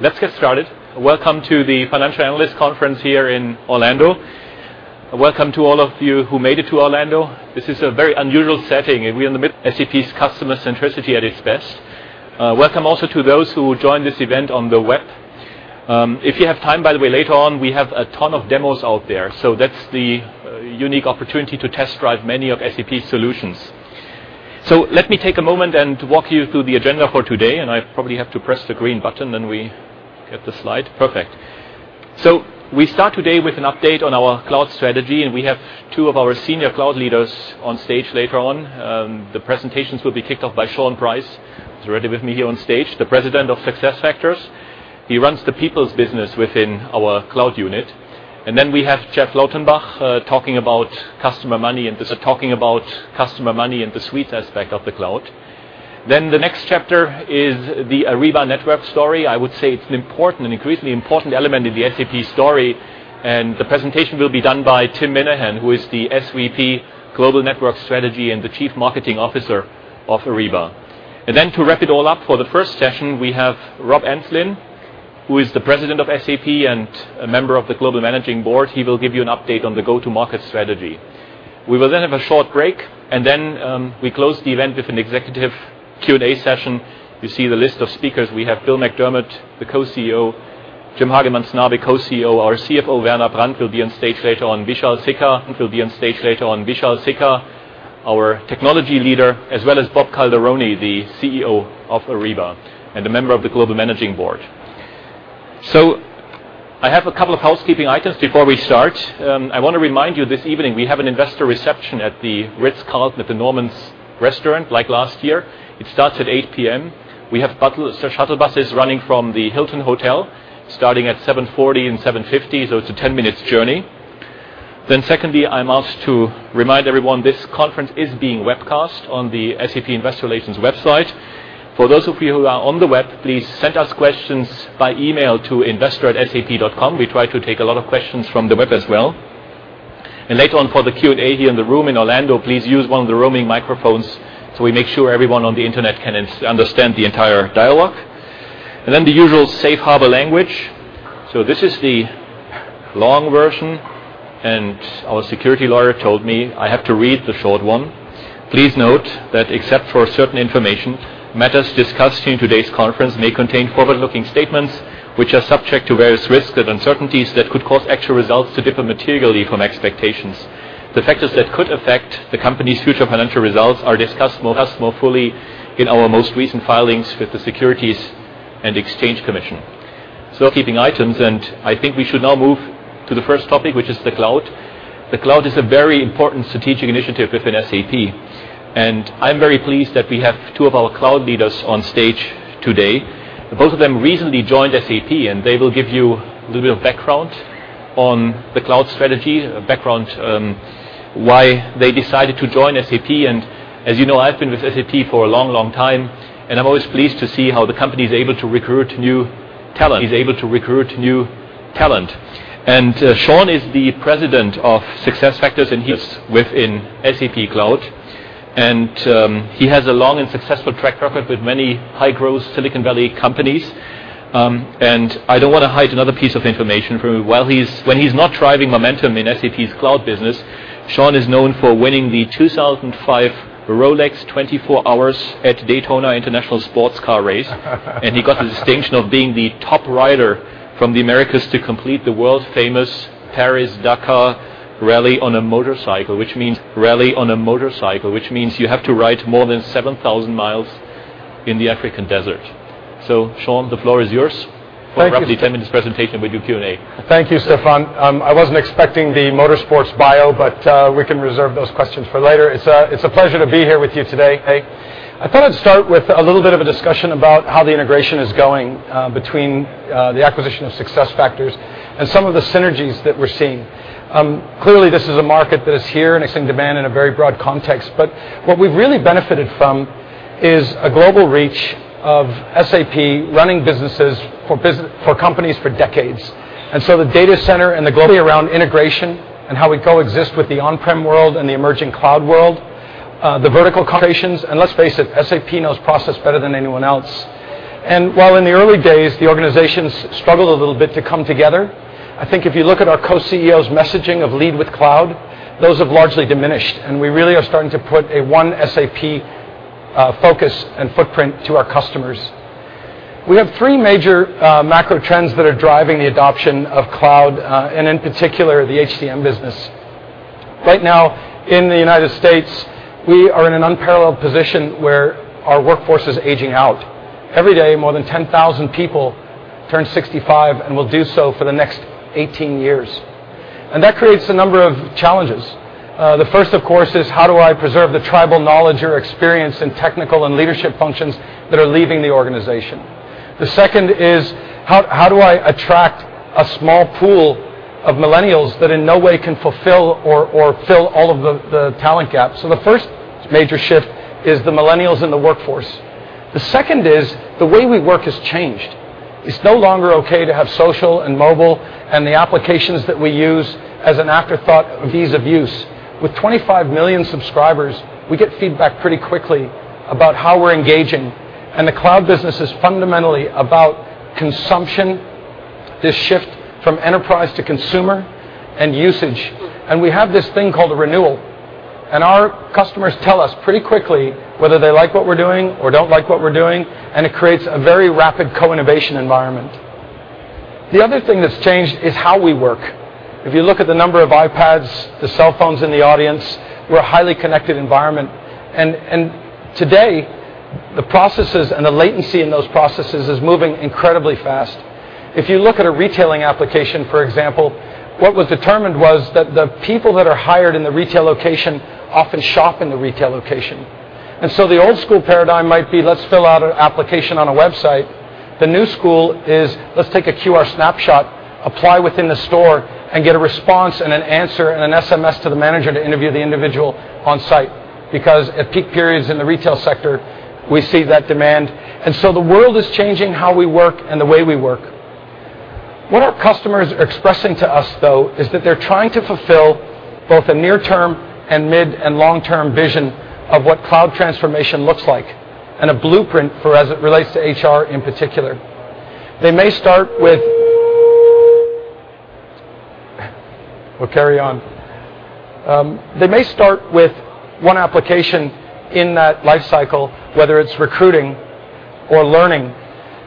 Let's get started. Welcome to the Financial Analyst Conference here in Orlando. Welcome to all of you who made it to Orlando. This is a very unusual setting. We are SAP's customer centricity at its best. Welcome also to those who join this event on the web. If you have time, by the way, later on, we have a ton of demos out there. That's the unique opportunity to test drive many of SAP's solutions. Let me take a moment and walk you through the agenda for today, and I probably have to press the green button, then we get the slide. Perfect. We start today with an update on our cloud strategy, and we have two of our senior cloud leaders on stage later on. The presentations will be kicked off by Shawn Price. He's already with me here on stage, the President of SuccessFactors. He runs the people's business within our cloud unit. We have Jeff Lautenbach talking about customer money and the suite aspect of the cloud. The next chapter is the Ariba Network story. I would say it's an increasingly important element in the SAP story, and the presentation will be done by Tim Minahan, who is the SVP Global Network Strategy and the Chief Marketing Officer of Ariba. To wrap it all up for the first session, we have Rob Enslin, who is the President of SAP and a member of the Global Managing Board. He will give you an update on the go-to-market strategy. We will have a short break, we close the event with an executive Q&A session. You see the list of speakers. We have Bill McDermott, the Co-Chief Executive Officer, Jim Hagemann Snabe, Co-Chief Executive Officer. Our CFO, Werner Brandt, will be on stage later on. Vishal Sikka will be on stage later on. Vishal Sikka, our technology leader, as well as Bob Calderoni, the CEO of Ariba and a member of the Global Managing Board. I have a couple of housekeeping items before we start. I want to remind you this evening, we have an investor reception at the Ritz-Carlton at the Norman's restaurant, like last year. It starts at 8:00 P.M. We have shuttle buses running from the Hilton Hotel starting at 7:40 and 7:50, so it's a 10-minute journey. Secondly, I'm asked to remind everyone this conference is being webcast on the SAP Investor Relations website. For those of you who are on the web, please send us questions by email to investor@sap.com. We try to take a lot of questions from the web as well. Later on for the Q&A here in the room in Orlando, please use one of the roaming microphones so we make sure everyone on the Internet can understand the entire dialogue. The usual safe harbor language. This is the long version, and our security lawyer told me I have to read the short one. Please note that except for certain information, matters discussed in today's conference may contain forward-looking statements, which are subject to various risks and uncertainties that could cause actual results to differ materially from expectations. The factors that could affect the company's future financial results are discussed more fully in our most recent filings with the Securities and Exchange Commission. Keeping items, I think we should now move to the first topic, which is the cloud. The cloud is a very important strategic initiative within SAP, I'm very pleased that we have two of our cloud leaders on stage today. Both of them recently joined SAP, they will give you a little bit of background on the cloud strategy, a background why they decided to join SAP. As you know, I've been with SAP for a long, long time, I'm always pleased to see how the company is able to recruit new talent. Shawn is the president of SuccessFactors, he is within SAP Cloud. He has a long and successful track record with many high-growth Silicon Valley companies. I don't want to hide another piece of information from you. When he's not driving momentum in SAP's cloud business, Shawn is known for winning the 2005 Rolex 24 Hours at Daytona International sports car race. He got the distinction of being the top rider from the Americas to complete the world-famous Paris-Dakar Rally on a motorcycle, which means you have to ride more than 7,000 miles in the African desert. Shawn, the floor is yours. Thank you. For approximately 10 minutes presentation, we do Q&A. Thank you, Stefan. I wasn't expecting the motor sports bio, but we can reserve those questions for later. It's a pleasure to be here with you today. Hey. I thought I'd start with a little bit of a discussion about how the integration is going between the acquisition of SuccessFactors and some of the synergies that we're seeing. Clearly, this is a market that is here, and it's in demand in a very broad context. What we've really benefited from is a global reach of SAP running businesses for companies for decades. The data center and the globally around integration and how we coexist with the on-prem world and the emerging cloud world, the vertical integrations, let's face it, SAP knows process better than anyone else. While in the early days, the organizations struggled a little bit to come together, I think if you look at our Co-CEOs messaging of lead with cloud, those have largely diminished, we really are starting to put a one SAP focus and footprint to our customers. We have three major macro trends that are driving the adoption of cloud, in particular, the HCM business. Right now in the U.S., we are in an unparalleled position where our workforce is aging out. Every day, more than 10,000 people turn 65 and will do so for the next 18 years. That creates a number of challenges. The first, of course, is how do I preserve the tribal knowledge or experience in technical and leadership functions that are leaving the organization? The second is, how do I attract a small pool of millennials that in no way can fulfill or fill all of the talent gaps? The first major shift is the millennials in the workforce. The second is the way we work has changed. It's no longer okay to have social and mobile and the applications that we use as an afterthought of ease of use. With 25 million subscribers, we get feedback pretty quickly about how we're engaging, and the cloud business is fundamentally about consumption, this shift from enterprise to consumer and usage. We have this thing called a renewal, our customers tell us pretty quickly whether they like what we're doing or don't like what we're doing, and it creates a very rapid co-innovation environment. The other thing that's changed is how we work. If you look at the number of iPads, the cell phones in the audience, we're a highly connected environment. Today, the processes and the latency in those processes is moving incredibly fast. If you look at a retailing application, for example, what was determined was that the people that are hired in the retail location often shop in the retail location. The old school paradigm might be, let's fill out an application on a website. The new school is, let's take a QR snapshot, apply within the store, and get a response and an answer and an SMS to the manager to interview the individual on site. At peak periods in the retail sector, we see that demand. The world is changing how we work and the way we work. What our customers are expressing to us, though, is that they're trying to fulfill both a near-term and mid and long-term vision of what cloud transformation looks like, and a blueprint for as it relates to HR in particular. They may start with. They may start with one application in that life cycle, whether it's recruiting or learning.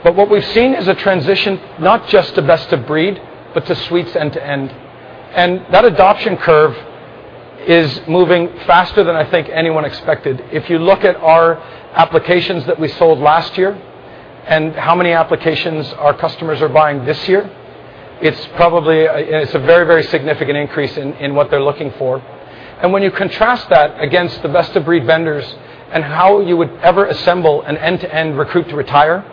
What we've seen is a transition, not just to best of breed, but to suites end-to-end. That adoption curve is moving faster than I think anyone expected. If you look at our applications that we sold last year and how many applications our customers are buying this year, it's a very significant increase in what they're looking for. When you contrast that against the best-of-breed vendors and how you would ever assemble an end-to-end recruit to retire,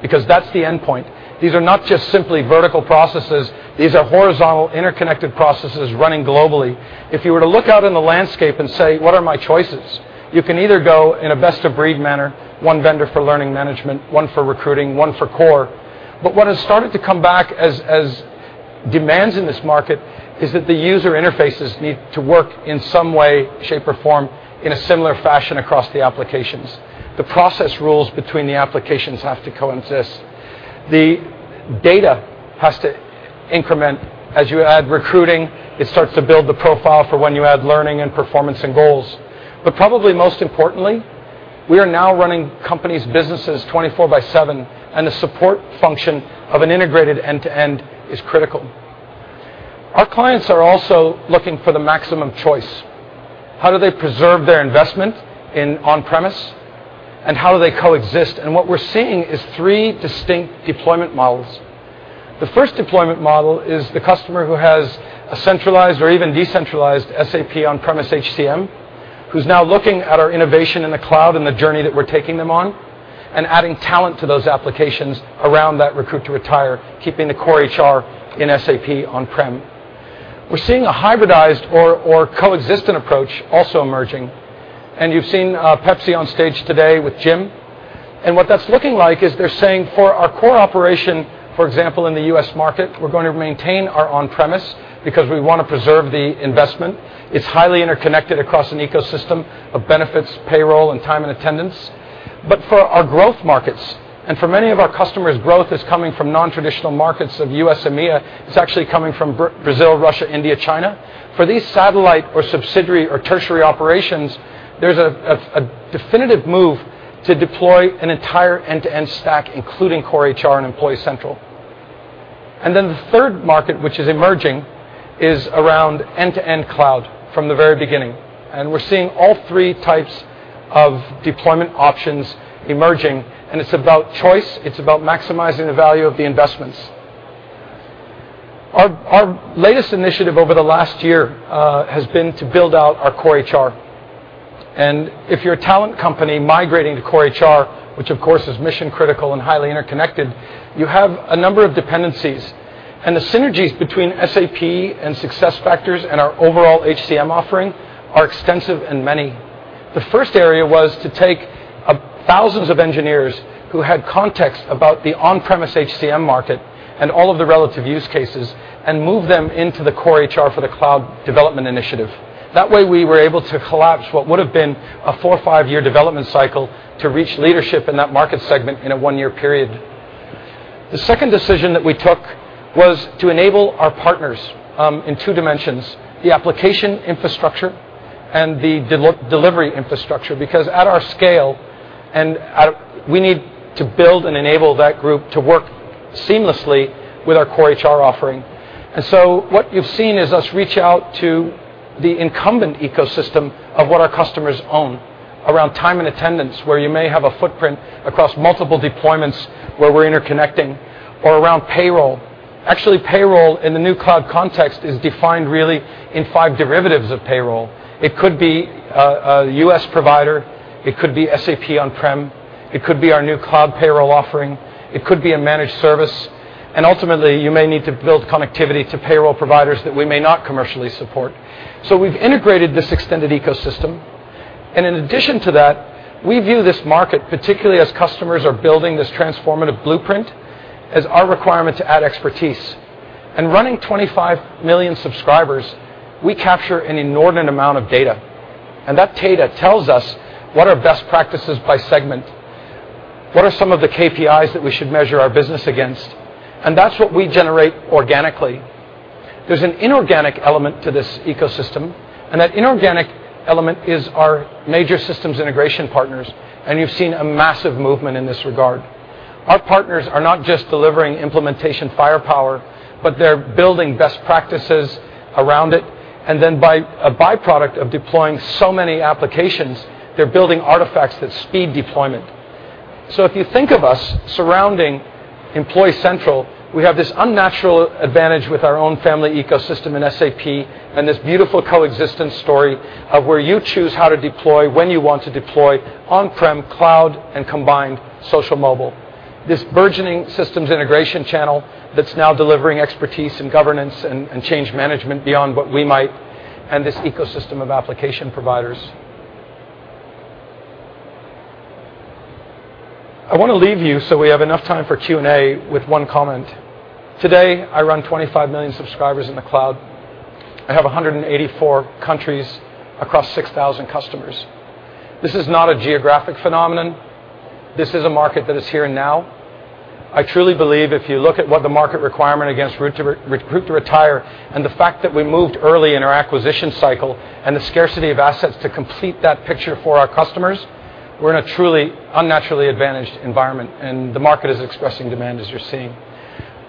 because that's the endpoint. These are not just simply vertical processes. These are horizontal, interconnected processes running globally. If you were to look out in the landscape and say, "What are my choices?" You can either go in a best of breed manner, one vendor for learning management, one for recruiting, one for core. What has started to come back as demands in this market is that the user interfaces need to work in some way, shape, or form, in a similar fashion across the applications. The process rules between the applications have to co-exist. The data has to increment. As you add recruiting, it starts to build the profile for when you add learning and performance and goals. Probably most importantly, we are now running companies, businesses, 24 by 7, and the support function of an integrated end-to-end is critical. Our clients are also looking for the maximum choice. How do they preserve their investment in on-premise, and how do they coexist? What we're seeing is three distinct deployment models. The first deployment model is the customer who has a centralized or even decentralized SAP on-premise HCM, who's now looking at our innovation in the cloud and the journey that we're taking them on, and adding talent to those applications around that recruit to retire, keeping the core HR in SAP on-prem. We're seeing a hybridized or coexistent approach also emerging, and you've seen Pepsi on stage today with Jim. What that's looking like is they're saying for our core operation, for example, in the U.S. market, we're going to maintain our on-premise because we want to preserve the investment. It's highly interconnected across an ecosystem of benefits, payroll, and time and attendance. For our growth markets and for many of our customers, growth is coming from non-traditional markets of U.S., EMEA. It's actually coming from Brazil, Russia, India, China. For these satellite or subsidiary or tertiary operations, there's a definitive move to deploy an entire end-to-end stack, including core HR and Employee Central. The third market, which is emerging, is around end-to-end cloud from the very beginning. We're seeing all three types of deployment options emerging. It's about choice. It's about maximizing the value of the investments. Our latest initiative over the last year has been to build out our core HR. If you're a talent company migrating to core HR, which of course is mission critical and highly interconnected, you have a number of dependencies. The synergies between SAP and SuccessFactors and our overall HCM offering are extensive and many. The first area was to take thousands of engineers who had context about the on-premise HCM market and all of the relative use cases, move them into the core HR for the cloud development initiative. That way, we were able to collapse what would have been a four or five-year development cycle to reach leadership in that market segment in a one-year period. The second decision that we took was to enable our partners in two dimensions, the application infrastructure and the delivery infrastructure, because at our scale, we need to build and enable that group to work seamlessly with our core HR offering. What you've seen is us reach out to the incumbent ecosystem of what our customers own around time and attendance, where you may have a footprint across multiple deployments where we're interconnecting or around payroll. Actually, payroll in the new cloud context is defined really in five derivatives of payroll. It could be a U.S. provider, it could be SAP on-prem, it could be our new cloud payroll offering, it could be a managed service, ultimately, you may need to build connectivity to payroll providers that we may not commercially support. We've integrated this extended ecosystem, in addition to that, we view this market, particularly as customers are building this transformative blueprint, as our requirement to add expertise. Running 25 million subscribers, we capture an inordinate amount of data. That data tells us what are best practices by segment, what are some of the KPIs that we should measure our business against, that's what we generate organically. There's an inorganic element to this ecosystem, that inorganic element is our major systems integration partners, you've seen a massive movement in this regard. Our partners are not just delivering implementation firepower, but they're building best practices around it. By a byproduct of deploying so many applications, they're building artifacts that speed deployment. If you think of us surrounding Employee Central, we have this unnatural advantage with our own family ecosystem in SAP and this beautiful coexistence story of where you choose how to deploy, when you want to deploy, on-prem, cloud, combined social mobile. This burgeoning systems integration channel that's now delivering expertise in governance and change management beyond what we might, this ecosystem of application providers. I want to leave you, so we have enough time for Q&A, with one comment. Today, I run 25 million subscribers in the cloud. I have 184 countries across 6,000 customers. This is not a geographic phenomenon. This is a market that is here and now. I truly believe if you look at what the market requirement against recruit to retire, and the fact that we moved early in our acquisition cycle, and the scarcity of assets to complete that picture for our customers, we're in a truly unnaturally advantaged environment, and the market is expressing demand as you're seeing.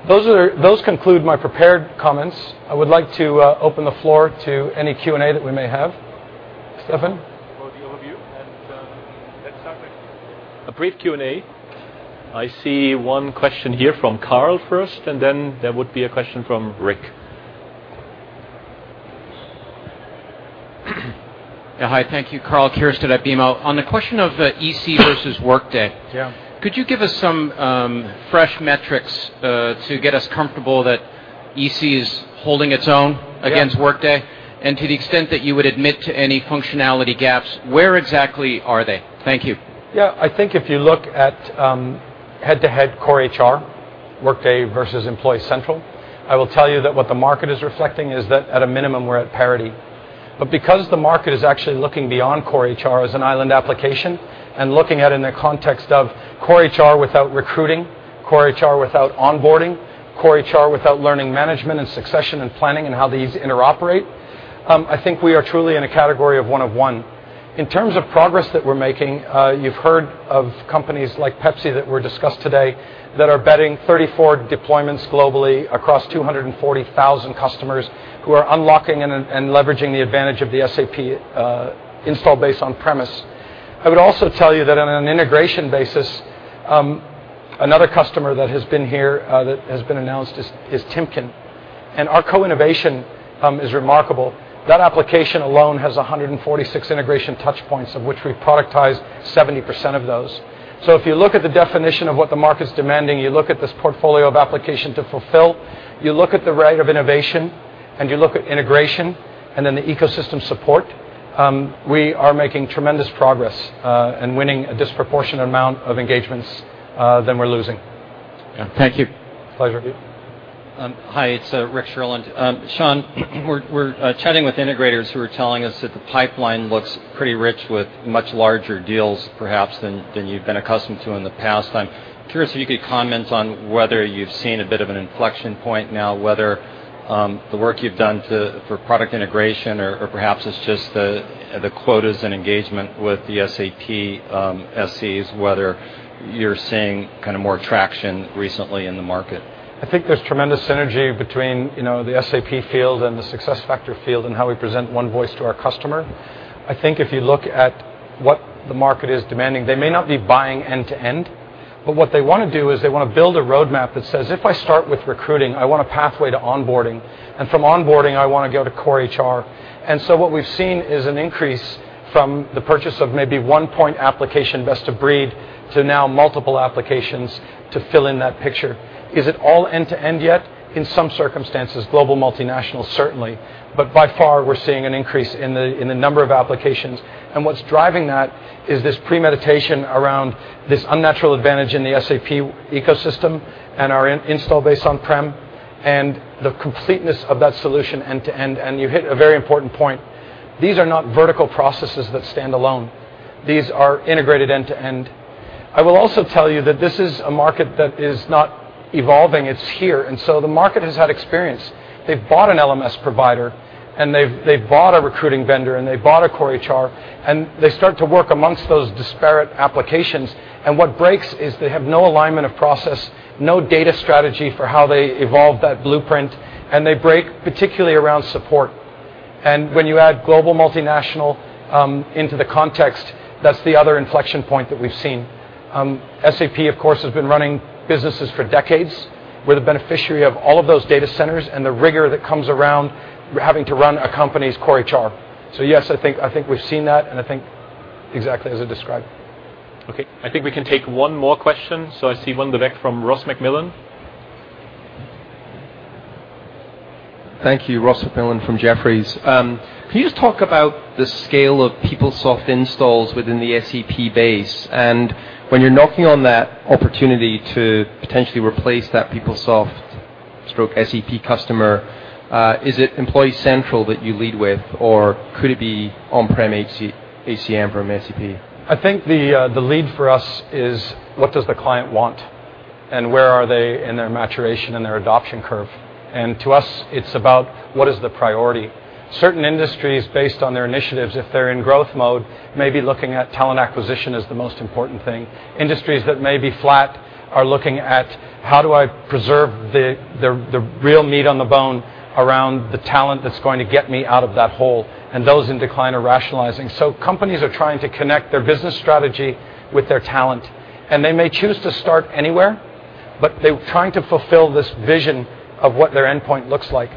Those conclude my prepared comments. I would like to open the floor to any Q&A that we may have. Stefan? For the overview, let's have a quick Q&A. I see one question here from Carl first, then there would be a question from Rick. Yeah. Hi, thank you. Karl Keirstead at BMO. On the question of EC versus Workday. Yeah Could you give us some fresh metrics to get us comfortable that EC is holding its own? Yeah against Workday? To the extent that you would admit to any functionality gaps, where exactly are they? Thank you. Yeah. I think if you look at head-to-head core HR, Workday versus Employee Central, I will tell you that what the market is reflecting is that at a minimum, we're at parity. Because the market is actually looking beyond core HR as an island application and looking at it in the context of core HR without recruiting, core HR without onboarding, core HR without learning management and succession and planning and how these interoperate, I think we are truly in a category of one of one. In terms of progress that we're making, you've heard of companies like PepsiCo that were discussed today that are betting 34 deployments globally across 240,000 customers who are unlocking and leveraging the advantage of the SAP install base on-premise. I would also tell you that on an integration basis, another customer that has been here, that has been announced is Timken. Our co-innovation is remarkable. That application alone has 146 integration touch points of which we productized 70% of those. If you look at the definition of what the market's demanding, you look at this portfolio of application to fulfill, you look at the rate of innovation, and you look at integration, and then the ecosystem support, we are making tremendous progress, and winning a disproportionate amount of engagements than we're losing. Thank you. Pleasure. Hi, it's Rick Sherlund. Shawn, we're chatting with integrators who are telling us that the pipeline looks pretty rich with much larger deals perhaps than you've been accustomed to in the past. I'm curious if you could comment on whether you've seen a bit of an inflection point now, whether the work you've done for product integration or perhaps it's just the quotas and engagement with the SAP SC is whether you're seeing more traction recently in the market. I think there's tremendous synergy between the SAP field and the SuccessFactors field and how we present one voice to our customer. I think if you look at what the market is demanding, they may not be buying end to end, but what they want to do is they want to build a roadmap that says, "If I start with recruiting, I want a pathway to onboarding. From onboarding, I want to go to core HR." What we've seen is an increase from the purchase of maybe one point application best of breed to now multiple applications to fill in that picture. Is it all end to end yet? In some circumstances, global multinationals, certainly. By far, we're seeing an increase in the number of applications. What's driving that is this premeditation around this unnatural advantage in the SAP ecosystem and our install base on-prem, and the completeness of that solution end to end. You hit a very important point. These are not vertical processes that stand alone. These are integrated end to end. The market has had experience. They've bought an LMS provider, and they've bought a recruiting vendor, and they've bought a core HR, and they start to work amongst those disparate applications. What breaks is they have no alignment of process, no data strategy for how they evolve that blueprint, and they break particularly around support. When you add global multinational into the context, that's the other inflection point that we've seen. SAP, of course, has been running businesses for decades. We're the beneficiary of all of those data centers and the rigor that comes around having to run a company's core HR. Yes, I think we've seen that, and I think exactly as I described. Okay. I think we can take one more question. I see one direct from Ross MacMillan. Thank you. Ross MacMillan from Jefferies. Can you just talk about the scale of PeopleSoft installs within the SAP base? When you're knocking on that opportunity to potentially replace that PeopleSoft or SAP customer, is it Employee Central that you lead with, or could it be on-prem HCM from SAP? I think the lead for us is what does the client want, and where are they in their maturation and their adoption curve. To us, it's about what is the priority. Certain industries, based on their initiatives, if they're in growth mode, may be looking at talent acquisition as the most important thing. Industries that may be flat are looking at how do I preserve the real meat on the bone around the talent that's going to get me out of that hole, and those in decline are rationalizing. Companies are trying to connect their business strategy with their talent, and they may choose to start anywhere, but they're trying to fulfill this vision of what their endpoint looks like.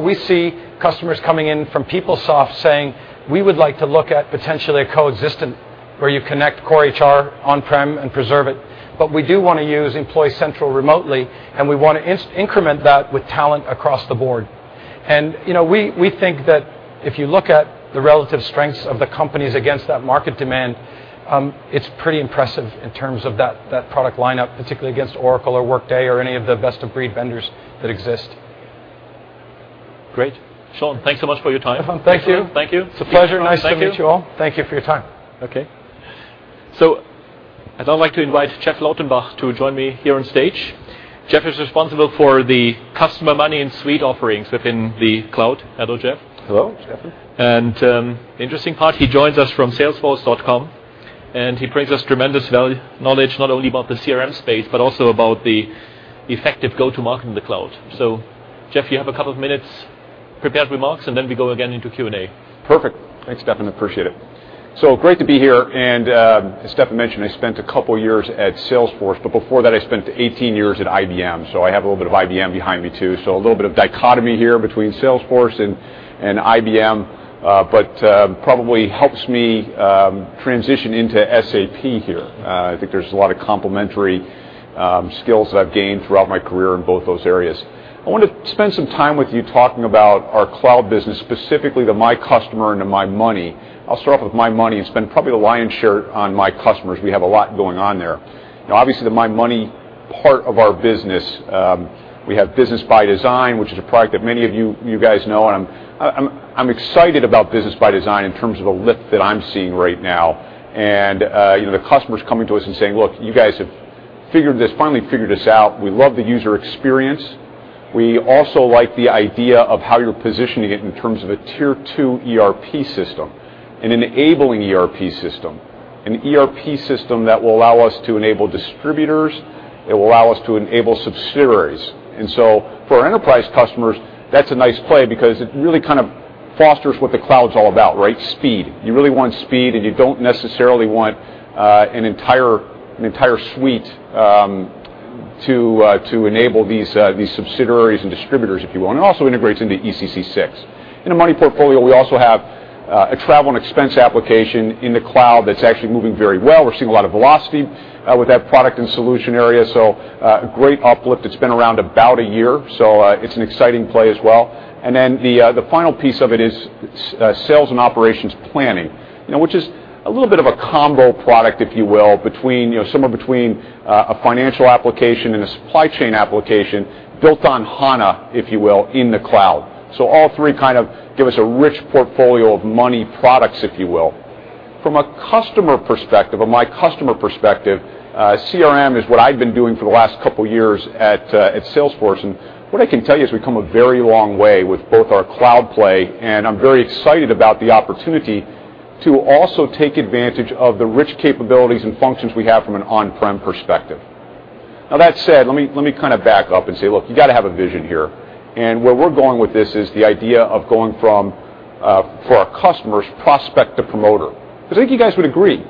We see customers coming in from PeopleSoft saying, "We would like to look at potentially a coexistent where you connect core HR on-prem and preserve it, but we do want to use Employee Central remotely, and we want to increment that with talent across the board." We think that if you look at the relative strengths of the companies against that market demand, it's pretty impressive in terms of that product lineup, particularly against Oracle or Workday or any of the best-of-breed vendors that exist. Great. Shawn, thanks so much for your time. Stefan, thank you. Thank you. It's a pleasure. Nice to meet you all. Thank you for your time. I'd now like to invite Jeff Lautenbach to join me here on stage. Jeff is responsible for the customer and suite offerings within the cloud. Hello, Jeff. Hello, Stefan. Interesting part, he joins us from salesforce.com, and he brings us tremendous knowledge, not only about the CRM space, but also about the effective go-to-market in the cloud. Jeff, you have a couple of minutes, prepared remarks, and then we go again into Q&A. Perfect. Thanks, Stefan. Appreciate it. Great to be here, as Stefan mentioned, I spent a couple of years at Salesforce, but before that, I spent 18 years at IBM, I have a little bit of IBM behind me, too. A little bit of dichotomy here between Salesforce and IBM, but probably helps me transition into SAP here. I think there's a lot of complementary skills that I've gained throughout my career in both those areas. I want to spend some time with you talking about our cloud business, specifically the My Customer and the My Money. I'll start off with My Money and spend probably the lion's share on My Customers. We have a lot going on there. Obviously, the My Money part of our business, we have Business ByDesign, which is a product that many of you guys know, I'm excited about Business ByDesign in terms of the lift that I'm seeing right now. The customers coming to us and saying, "Look, you guys have finally figured this out. We love the user experience. We also like the idea of how you're positioning it in terms of a tier 2 ERP system, an enabling ERP system, an ERP system that will allow us to enable distributors, it will allow us to enable subsidiaries." For our enterprise customers, that's a nice play because it really fosters what the cloud's all about, right? Speed. You really want speed, and you don't necessarily want an entire suite to enable these subsidiaries and distributors, if you want. It also integrates into ECC 6. In the money portfolio, we also have a travel and expense application in the cloud that's actually moving very well. We're seeing a lot of velocity with that product and solution area, a great uplift. It's been around about a year, it's an exciting play as well. The final piece of it is sales and operations planning, which is a little bit of a combo product, if you will, somewhere between a financial application and a supply chain application built on HANA, if you will, in the cloud. All three kind of give us a rich portfolio of money products, if you will. From a customer perspective, a My Customer perspective, CRM is what I've been doing for the last couple of years at Salesforce. What I can tell you is we've come a very long way with both our cloud play, I'm very excited about the opportunity to also take advantage of the rich capabilities and functions we have from an on-prem perspective. That said, let me kind of back up and say, look, you got to have a vision here. Where we're going with this is the idea of going from, for our customers, prospect to promoter. I think you guys would agree.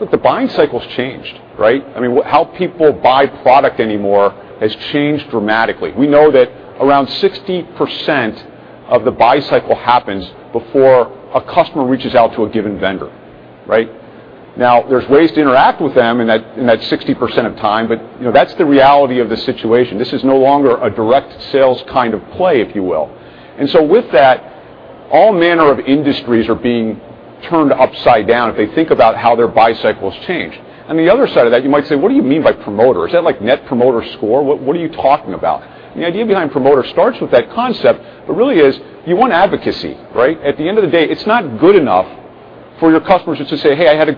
Look, the buying cycle's changed, right? I mean, how people buy product anymore has changed dramatically. We know that around 60% of the buy cycle happens before a customer reaches out to a given vendor. Right? There's ways to interact with them in that 60% of time, but that's the reality of the situation. This is no longer a direct sales kind of play, if you will. With that, all manner of industries are being turned upside down if they think about how their buy cycle has changed. On the other side of that, you might say, "What do you mean by promoter? Is that like net promoter score? What are you talking about?" The idea behind promoter starts with that concept, but really is you want advocacy, right? At the end of the day, it's not good enough for your customers just to say, "Hey, I had a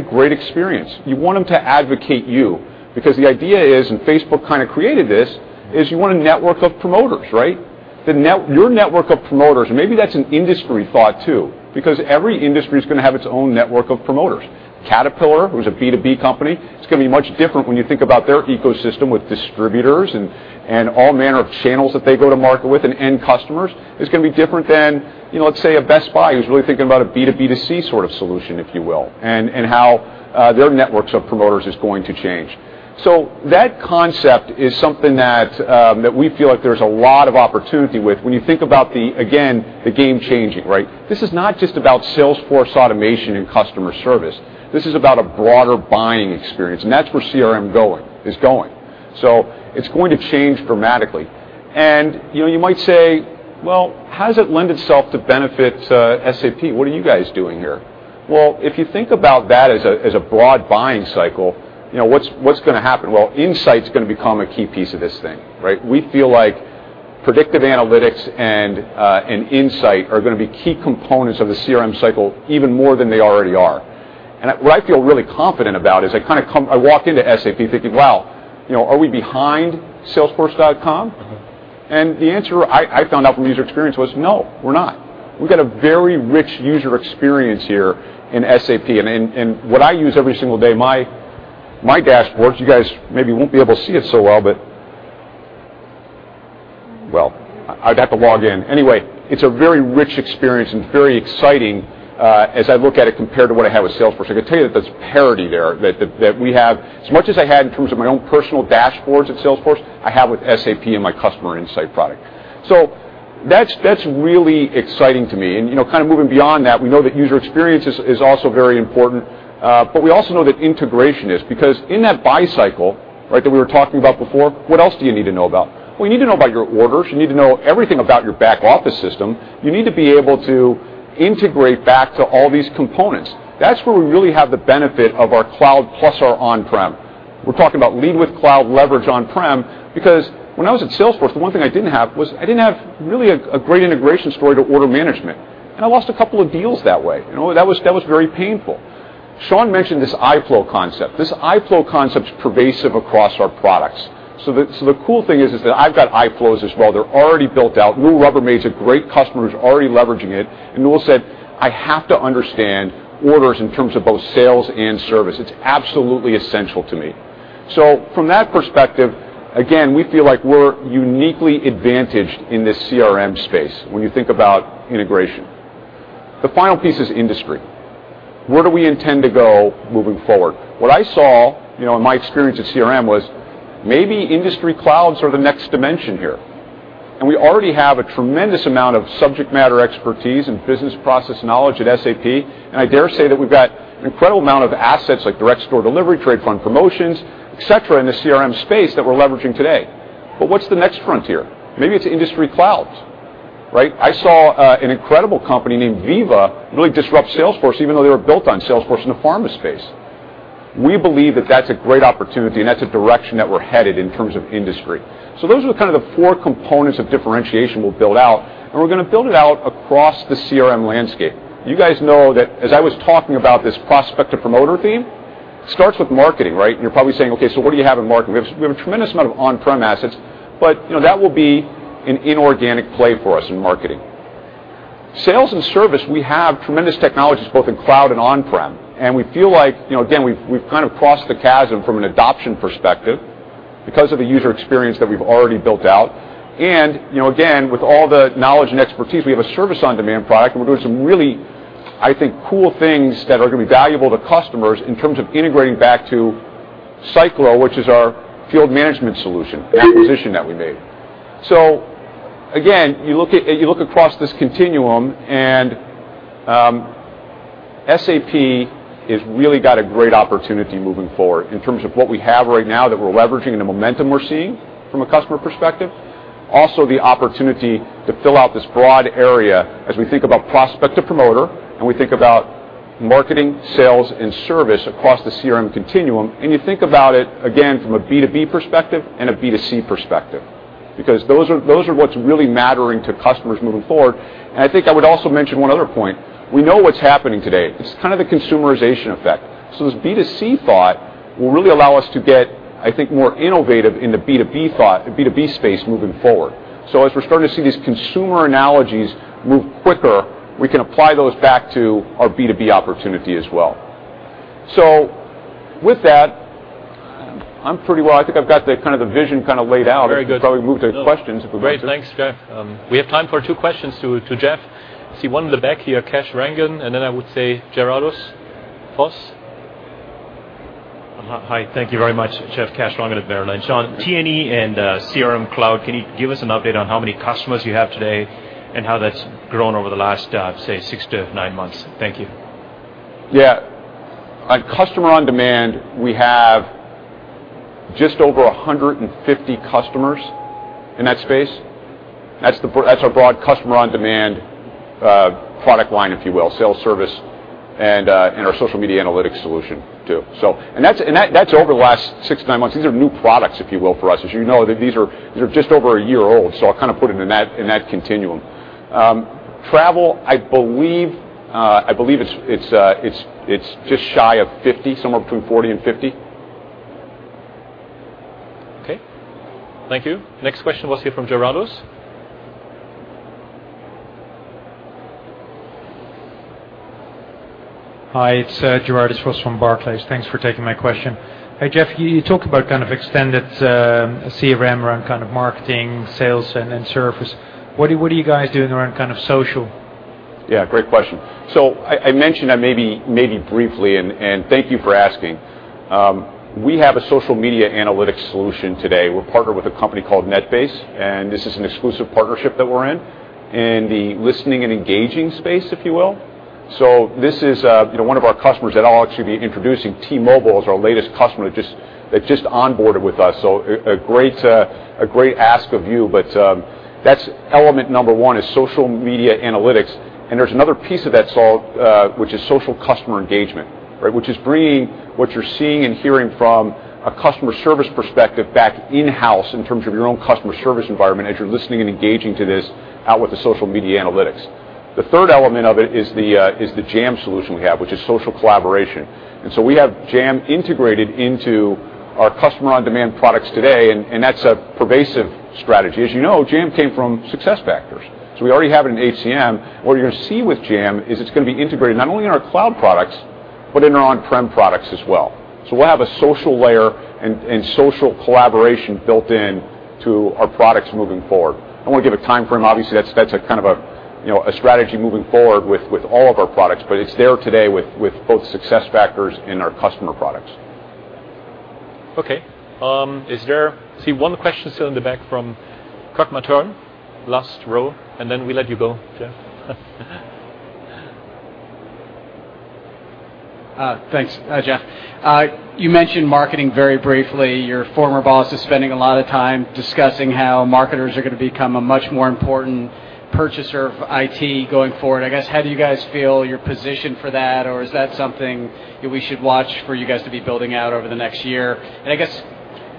great experience." You want them to advocate you, because the idea is, and Facebook kind of created this, is you want a network of promoters, right? Your network of promoters. Maybe that's an industry thought, too, because every industry is going to have its own network of promoters. Caterpillar, who's a B2B company, it's going to be much different when you think about their ecosystem with distributors and all manner of channels that they go to market with and end customers. It's going to be different than, let's say, a Best Buy, who's really thinking about a B2B2C sort of solution, if you will, and how their networks of promoters is going to change. That concept is something that we feel like there's a lot of opportunity with when you think about, again, the game changing, right? This is not just about Salesforce automation and customer service. This is about a broader buying experience, and that's where CRM is going. It's going to change dramatically. You might say, "Well, how does it lend itself to benefit SAP? What are you guys doing here?" If you think about that as a broad buying cycle, what's going to happen? Insight's going to become a key piece of this thing. We feel like predictive analytics and insight are going to be key components of the CRM cycle even more than they already are. What I feel really confident about is I walked into SAP thinking, "Wow, are we behind salesforce.com? The answer I found out from user experience was no, we're not. We've got a very rich user experience here in SAP, and what I use every single day, my dashboard, you guys maybe won't be able to see it so well, but I'd have to log in. Anyway, it's a very rich experience and very exciting as I look at it compared to what I have with Salesforce. I can tell you that there's parity there. That as much as I had in terms of my own personal dashboards at Salesforce, I have with SAP and my customer insight product. That's really exciting to me. Moving beyond that, we know that user experience is also very important. We also know that integration is, because in that buy cycle that we were talking about before, what else do you need to know about? Well, you need to know about your orders. You need to know everything about your back office system. You need to be able to integrate back to all these components. That's where we really have the benefit of our cloud plus our on-prem. We're talking about lead with cloud, leverage on-prem, because when I was at Salesforce, the one thing I didn't have was I didn't have really a great integration story to order management, and I lost a couple of deals that way. That was very painful. Shawn mentioned this iFlow concept. This iFlow concept's pervasive across our products. The cool thing is that I've got iFlows as well. They're already built out. Newell Rubbermaid's a great customer, who's already leveraging it, and Newell said, "I have to understand orders in terms of both sales and service. It's absolutely essential to me." From that perspective, again, we feel like we're uniquely advantaged in this CRM space when you think about integration. The final piece is industry. Where do we intend to go moving forward? What I saw in my experience at CRM was maybe industry clouds are the next dimension here, and we already have a tremendous amount of subject matter expertise and business process knowledge at SAP. I dare say that we've got an incredible amount of assets like direct store delivery, trade fund promotions, et cetera, in the CRM space that we're leveraging today. What's the next frontier? Maybe it's industry clouds. I saw an incredible company named Veeva really disrupt Salesforce, even though they were built on Salesforce in the pharma space. We believe that that's a great opportunity, and that's a direction that we're headed in terms of industry. Those are kind of the four components of differentiation we'll build out, and we're going to build it out across the CRM landscape. You guys know that as I was talking about this prospect to promoter theme, it starts with marketing. You're probably saying, "Okay, so what do you have in marketing?" We have a tremendous amount of on-prem assets, but that will be an inorganic play for us in marketing. Sales and service, we have tremendous technologies both in cloud and on-prem, and we feel like, again, we've kind of crossed the chasm from an adoption perspective because of the user experience that we've already built out. Again, with all the knowledge and expertise, we have a service-on-demand product, and we're doing some really, I think, cool things that are going to be valuable to customers in terms of integrating back to Syclo, which is our field management solution, an acquisition that we made. Again, you look across this continuum, and SAP has really got a great opportunity moving forward in terms of what we have right now that we're leveraging and the momentum we're seeing from a customer perspective. Also, the opportunity to fill out this broad area as we think about prospect to promoter, and we think about marketing, sales, and service across the CRM continuum. You think about it, again, from a B2B perspective and a B2C perspective, because those are what's really mattering to customers moving forward. I think I would also mention one other point. We know what's happening today. It's kind of the consumerization effect. This B2C thought will really allow us to get, I think, more innovative in the B2B space moving forward. As we're starting to see these consumer analogies move quicker, we can apply those back to our B2B opportunity as well. With that, I'm pretty well, I think I've got the vision laid out. Very good. We can probably move to questions, if we want to. Great. Thanks, Jeff. We have time for two questions to Jeff. I see one in the back here, Kash Rangan, and then I would say Gerardus Vos. Thank you very much, Jeff. Kash Rangan at Merrill Lynch. On T&E and CRM cloud, can you give us an update on how many customers you have today and how that's grown over the last, say, six to nine months? Thank you. On customer on-demand, we have just over 150 customers in that space. That's our broad customer on-demand product line, if you will, sales service, and our social media analytics solution, too. That's over the last six to nine months. These are new products, if you will, for us. As you know, these are just over a year old, I kind of put it in that continuum. Travel, I believe it's just shy of 50, somewhere between 40 and 50. Okay. Thank you. Next question was here from Gerardus. Hi, it's Gerardus Vos from Barclays. Thanks for taking my question. Hey, Jeff, you talk about kind of extended CRM around kind of marketing, sales, and service. What are you guys doing around social? Great question. I mentioned that maybe briefly, and thank you for asking. We have a social media analytics solution today. We're partnered with a company called NetBase, and this is an exclusive partnership that we're in the listening and engaging space, if you will. This is one of our customers that I'll actually be introducing. T-Mobile is our latest customer that just onboarded with us. A great ask of you, that's element number 1 is social media analytics. There's another piece of that solve, which is social customer engagement. Which is bringing what you're seeing and hearing from a customer service perspective back in-house in terms of your own customer service environment as you're listening and engaging to this out with the social media analytics. The third element of it is the SAP Jam solution we have, which is social collaboration. We have SAP Jam integrated into our customer-on-demand products today, and that's a pervasive strategy. As you know, SAP Jam came from SAP SuccessFactors. We already have it in HCM. What you're going to see with SAP Jam is it's going to be integrated not only in our cloud products, but in our on-prem products as well. We'll have a social layer and social collaboration built in to our products moving forward. I want to give a timeframe. Obviously, that's a kind of a strategy moving forward with all of our products, but it's there today with both SAP SuccessFactors and our customer products. Okay. I see one question still in the back from Kirk Materne, last row, and then we let you go, Jeff. Thanks, Jeff. You mentioned marketing very briefly. Your former boss is spending a lot of time discussing how marketers are going to become a much more important purchaser of IT going forward. I guess, how do you guys feel you're positioned for that? Or is that something that we should watch for you guys to be building out over the next year? I guess,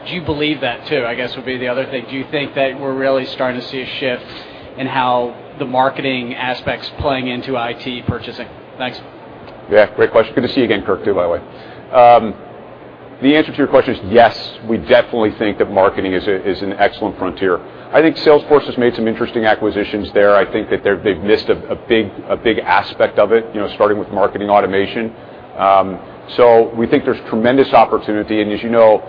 do you believe that, too, I guess, would be the other thing. Do you think that we're really starting to see a shift in how the marketing aspect's playing into IT purchasing? Thanks. Yeah, great question. Good to see you again, Kirk, too, by the way. The answer to your question is yes, we definitely think that marketing is an excellent frontier. I think Salesforce has made some interesting acquisitions there. I think that they've missed a big aspect of it, starting with marketing automation. We think there's tremendous opportunity. As you know,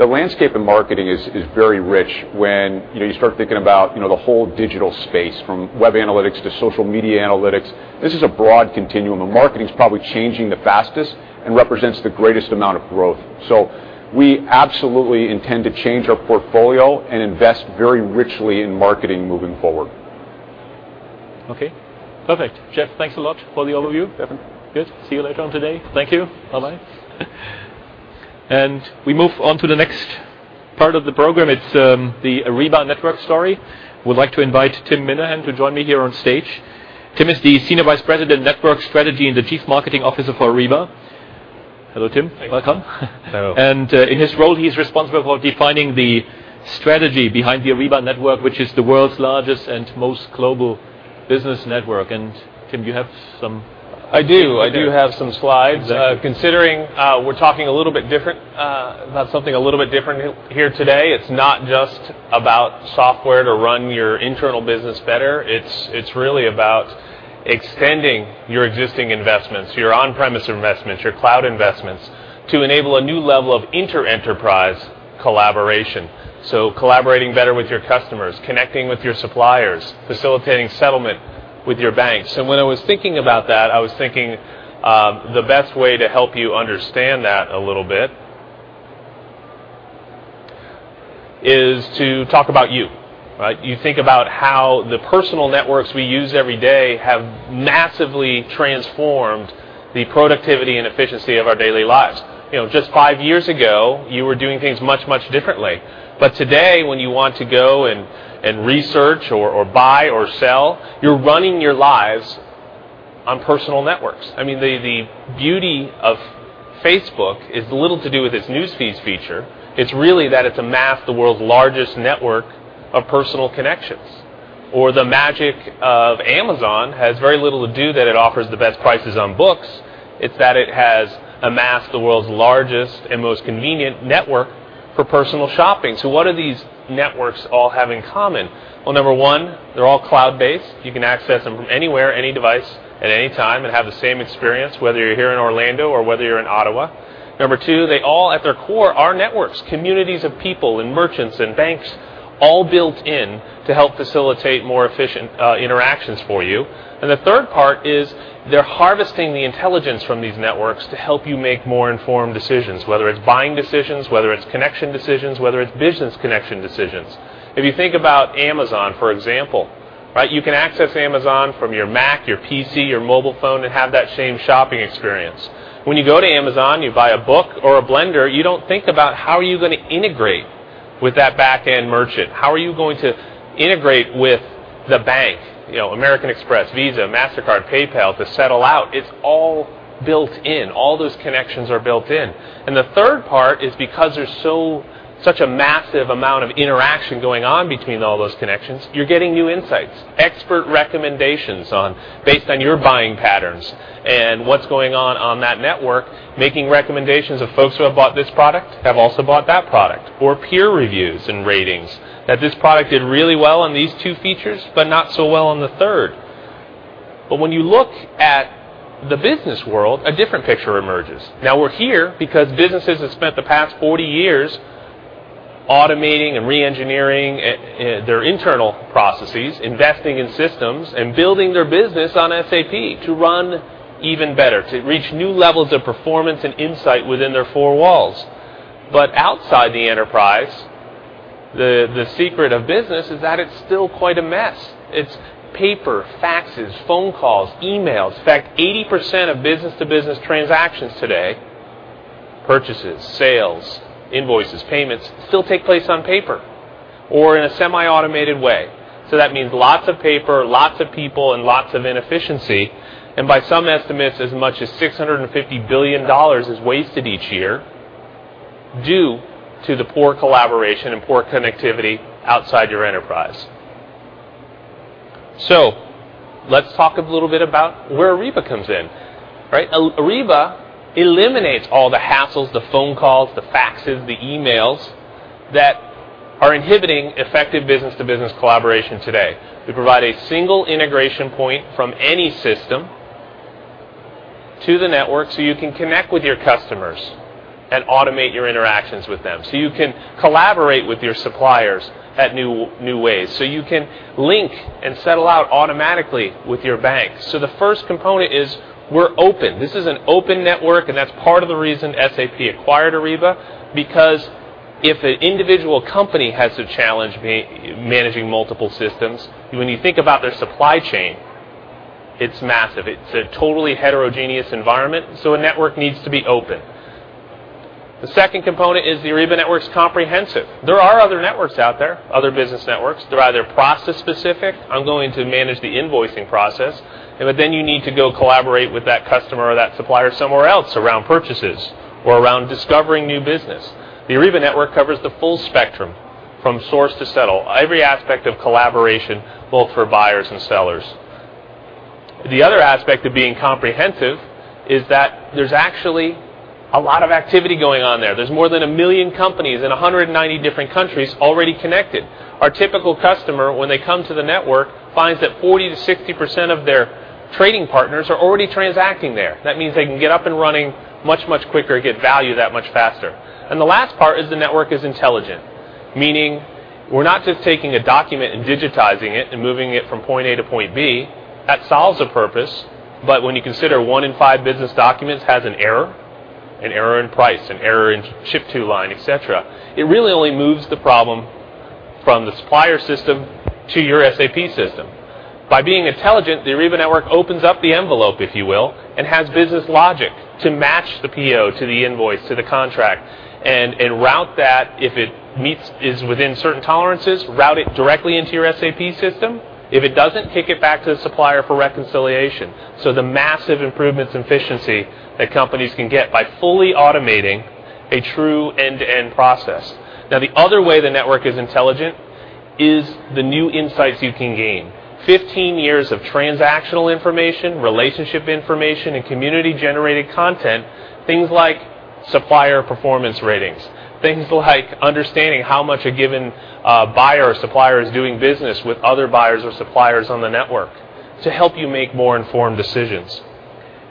the landscape of marketing is very rich when you start thinking about the whole digital space, from web analytics to social media analytics. This is a broad continuum, and marketing's probably changing the fastest and represents the greatest amount of growth. We absolutely intend to change our portfolio and invest very richly in marketing moving forward. Okay, perfect. Jeff, thanks a lot for the overview. Definitely. Good. See you later on today. Thank you. Bye-bye. We move on to the next part of the program. It's the Ariba Network story. We'd like to invite Tim Minahan to join me here on stage. Tim is the Senior Vice President of Network Strategy and the Chief Marketing Officer for Ariba. Hello, Tim. Thanks. Welcome. Hello. In his role, he's responsible for defining the strategy behind the Ariba Network, which is the world's largest and most global business network. Tim, do you have? I do. I do have some slides. Exactly. Considering we're talking a little bit different, about something a little bit different here today. It's not just about software to run your internal business better. It's really about extending your existing investments, your on-premise investments, your cloud investments to enable a new level of inter-enterprise collaboration. Collaborating better with your customers, connecting with your suppliers, facilitating settlement with your banks. When I was thinking about that, I was thinking the best way to help you understand that a little bit is to talk about you. You think about how the personal networks we use every day have massively transformed the productivity and efficiency of our daily lives. Just five years ago, you were doing things much, much differently. Today, when you want to go and research or buy or sell, you're running your lives on personal networks. I mean, the beauty of Facebook is little to do with its news feeds feature. It's really that it's amassed the world's largest network of personal connections. The magic of Amazon has very little to do that it offers the best prices on books. It's that it has amassed the world's largest and most convenient network for personal shopping. What do these networks all have in common? Well, number one, they're all cloud-based. You can access them from anywhere, any device, at any time and have the same experience, whether you're here in Orlando or whether you're in Ottawa. Number two, they all, at their core, are networks, communities of people and merchants and banks all built in to help facilitate more efficient interactions for you. The third part is they're harvesting the intelligence from these networks to help you make more informed decisions, whether it's buying decisions, whether it's connection decisions, whether it's business connection decisions. If you think about Amazon, for example, you can access Amazon from your Mac, your PC, your mobile phone and have that same shopping experience. When you go to Amazon, you buy a book or a blender, you don't think about how are you going to integrate with that back-end merchant. How are you going to integrate with the bank, American Express, Visa, Mastercard, PayPal, to settle out. It's all built in. All those connections are built in. The third part is because there's such a massive amount of interaction going on between all those connections, you're getting new insights, expert recommendations based on your buying patterns and what's going on on that network, making recommendations of folks who have bought this product, have also bought that product. Peer reviews and ratings, that this product did really well on these two features, but not so well on the third. When you look at the business world, a different picture emerges. Now we're here because businesses have spent the past 40 years automating and re-engineering their internal processes, investing in systems, and building their business on SAP to run even better, to reach new levels of performance and insight within their four walls. Outside the enterprise. The secret of business is that it's still quite a mess. It's paper, faxes, phone calls, emails. In fact, 80% of business-to-business transactions today, purchases, sales, invoices, payments, still take place on paper or in a semi-automated way. That means lots of paper, lots of people, and lots of inefficiency, and by some estimates, as much as EUR 650 billion is wasted each year due to the poor collaboration and poor connectivity outside your enterprise. Let's talk a little bit about where Ariba comes in. Ariba eliminates all the hassles, the phone calls, the faxes, the emails that are inhibiting effective business-to-business collaboration today. We provide a single integration point from any system to the network, you can connect with your customers and automate your interactions with them. You can collaborate with your suppliers at new ways. You can link and settle out automatically with your bank. The first component is we're open. This is an open network, that's part of the reason SAP acquired Ariba, because if an individual company has to challenge managing multiple systems, when you think about their supply chain, it's massive. It's a totally heterogeneous environment, a network needs to be open. The second component is the Ariba Network's comprehensive. There are other networks out there, other business networks. They're either process specific, I'm going to manage the invoicing process, and but then you need to go collaborate with that customer or that supplier somewhere else around purchases or around discovering new business. The Ariba Network covers the full spectrum from source to settle, every aspect of collaboration, both for buyers and sellers. The other aspect of being comprehensive is that there's actually a lot of activity going on there. There's more than 1 million companies in 190 different countries already connected. Our typical customer, when they come to the network, finds that 40%-60% of their trading partners are already transacting there. That means they can get up and running much, much quicker, get value that much faster. The last part is the network is intelligent, meaning we're not just taking a document and digitizing it and moving it from point A to point B. That solves a purpose, but when you consider one in five business documents has an error, an error in price, an error in ship to line, et cetera, it really only moves the problem from the supplier system to your SAP system. By being intelligent, the Ariba Network opens up the envelope, if you will, and has business logic to match the PO to the invoice, to the contract, and route that if it is within certain tolerances, route it directly into your SAP system. If it doesn't, take it back to the supplier for reconciliation. The massive improvements in efficiency that companies can get by fully automating a true end-to-end process. Now, the other way the network is intelligent is the new insights you can gain. 15 years of transactional information, relationship information, and community-generated content, things like supplier performance ratings, things like understanding how much a given buyer or supplier is doing business with other buyers or suppliers on the network to help you make more informed decisions.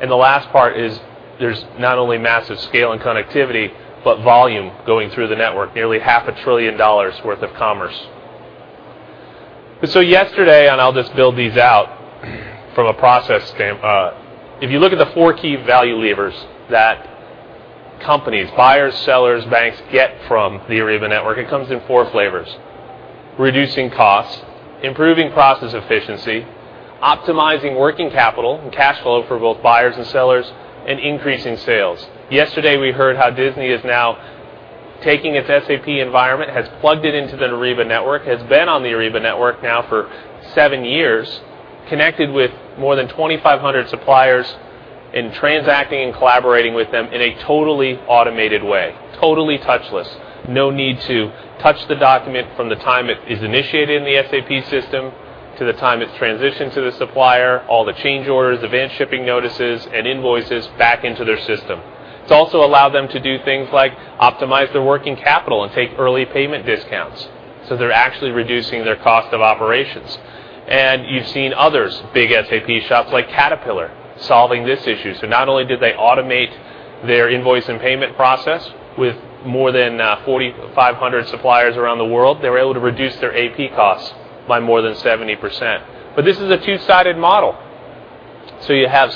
The last part is there's not only massive scale and connectivity, but volume going through the network, nearly half a trillion dollars worth of commerce. Yesterday, I'll just build these out from a process standpoint. If you look at the four key value levers that companies, buyers, sellers, banks get from the Ariba Network, it comes in four flavors: reducing costs, improving process efficiency, optimizing working capital and cash flow for both buyers and sellers, and increasing sales. Yesterday, we heard how Disney is now taking its SAP environment, has plugged it into the Ariba Network, has been on the Ariba Network now for seven years, connected with more than 2,500 suppliers, and transacting and collaborating with them in a totally automated way. Totally touchless. No need to touch the document from the time it is initiated in the SAP system to the time it's transitioned to the supplier, all the change orders, advanced shipping notices, and invoices back into their system. It's also allowed them to do things like optimize their working capital and take early payment discounts, so they're actually reducing their cost of operations. You've seen others, big SAP shops like Caterpillar, solving this issue. Not only did they automate their invoice and payment process with more than 4,500 suppliers around the world, they were able to reduce their AP costs by more than 70%. This is a two-sided model. You have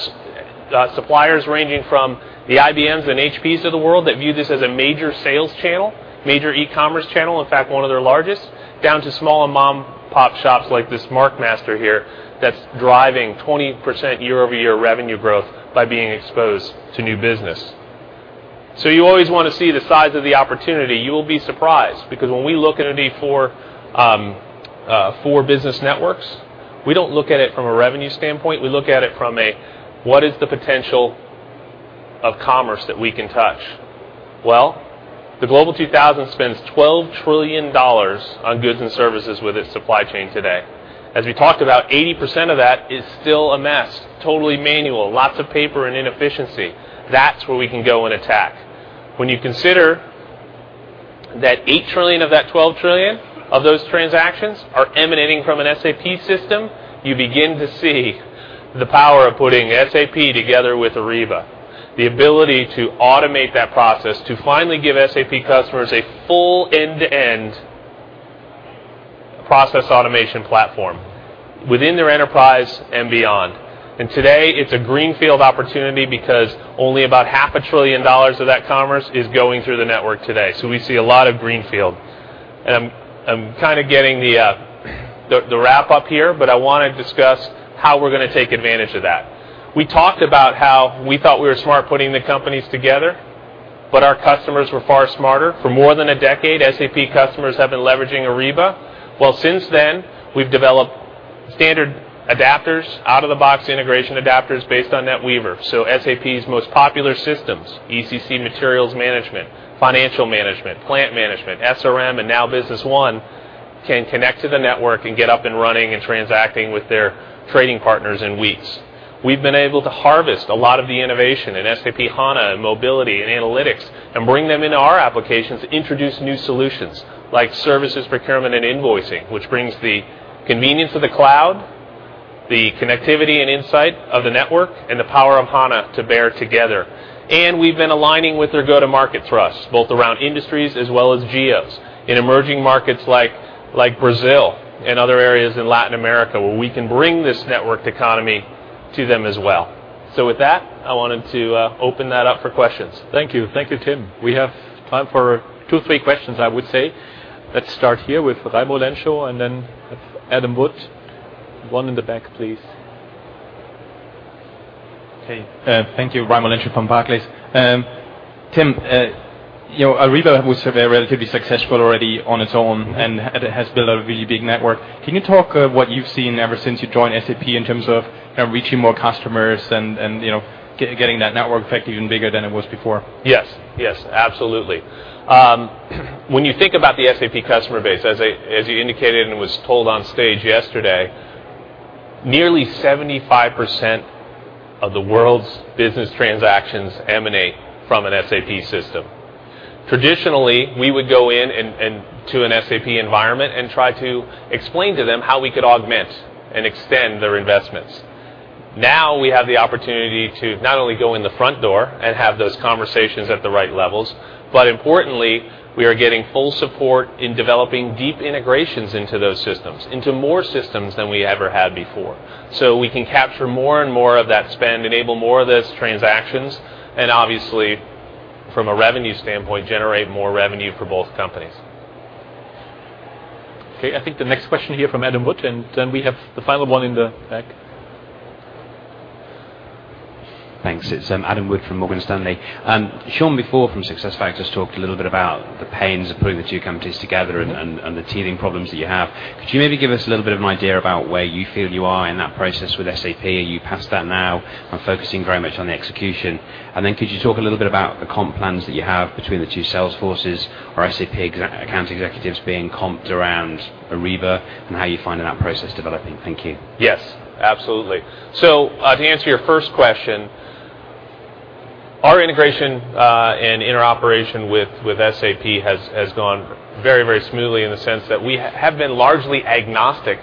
suppliers ranging from the IBMs and HPs of the world that view this as a major sales channel, major e-commerce channel, in fact, one of their largest, down to small and mom-and-pop shops like this MarkMaster here that's driving 20% year-over-year revenue growth by being exposed to new business. You always want to see the size of the opportunity. You will be surprised because when we look at any four business networks, we don't look at it from a revenue standpoint. We look at it from a, "What is the potential of commerce that we can touch?" Well, the Global 2000 spends $12 trillion on goods and services with its supply chain today. As we talked about, 80% of that is still a mess, totally manual, lots of paper and inefficiency. That's where we can go and attack. When you consider that $8 trillion of that $12 trillion of those transactions are emanating from an SAP system, you begin to see the power of putting SAP together with Ariba. The ability to automate that process, to finally give SAP customers a full end-to-end process automation platform within their enterprise and beyond. Today, it's a greenfield opportunity because only about half a trillion dollars of that commerce is going through the network today. We see a lot of greenfield. I'm kind of getting the wrap-up here, but I want to discuss how we're going to take advantage of that. We talked about how we thought we were smart putting the companies together. Our customers were far smarter. For more than a decade, SAP customers have been leveraging Ariba. Well, since then, we've developed standard adapters, out-of-the-box integration adapters based on NetWeaver. SAP's most popular systems, ECC materials management, financial management, plant management, SRM, and now Business One, can connect to the network and get up and running and transacting with their trading partners in weeks. We've been able to harvest a lot of the innovation in SAP HANA and mobility and analytics and bring them into our applications to introduce new solutions like services, procurement, and invoicing, which brings the convenience of the cloud, the connectivity and insight of the network, and the power of HANA to bear together. We've been aligning with their go-to-market thrust, both around industries as well as geos. In emerging markets like Brazil and other areas in Latin America, where we can bring this networked economy to them as well. With that, I wanted to open that up for questions. Thank you. Thank you, Tim. We have time for two, three questions, I would say. Let's start here with Raimo Lenschow and then Adam Wood. One in the back, please. Thank you. Raimo Lenschow from Barclays. Tim, Ariba was relatively successful already on its own, and it has built a really big network. Can you talk what you've seen ever since you joined SAP in terms of reaching more customers and getting that network effect even bigger than it was before? Absolutely. When you think about the SAP customer base, as you indicated and it was told on stage yesterday, nearly 75% of the world's business transactions emanate from an SAP system. Traditionally, we would go in to an SAP environment and try to explain to them how we could augment and extend their investments. We have the opportunity to not only go in the front door and have those conversations at the right levels, but importantly, we are getting full support in developing deep integrations into those systems, into more systems than we ever had before. We can capture more and more of that spend, enable more of those transactions, and obviously, from a revenue standpoint, generate more revenue for both companies. Okay. I think the next question here from Adam Wood, then we have the final one in the back. Thanks. It is Adam Wood from Morgan Stanley. Shawn before from SuccessFactors talked a little bit about the pains of putting the two companies together and the teething problems that you have. Could you maybe give us a little bit of an idea about where you feel you are in that process with SAP? Are you past that now and focusing very much on the execution? Then could you talk a little bit about the comp plans that you have between the two sales forces or SAP account executives being comped around Ariba and how you are finding that process developing? Thank you. Yes, absolutely. To answer your first question, our integration and interoperation with SAP has gone very smoothly in the sense that we have been largely agnostic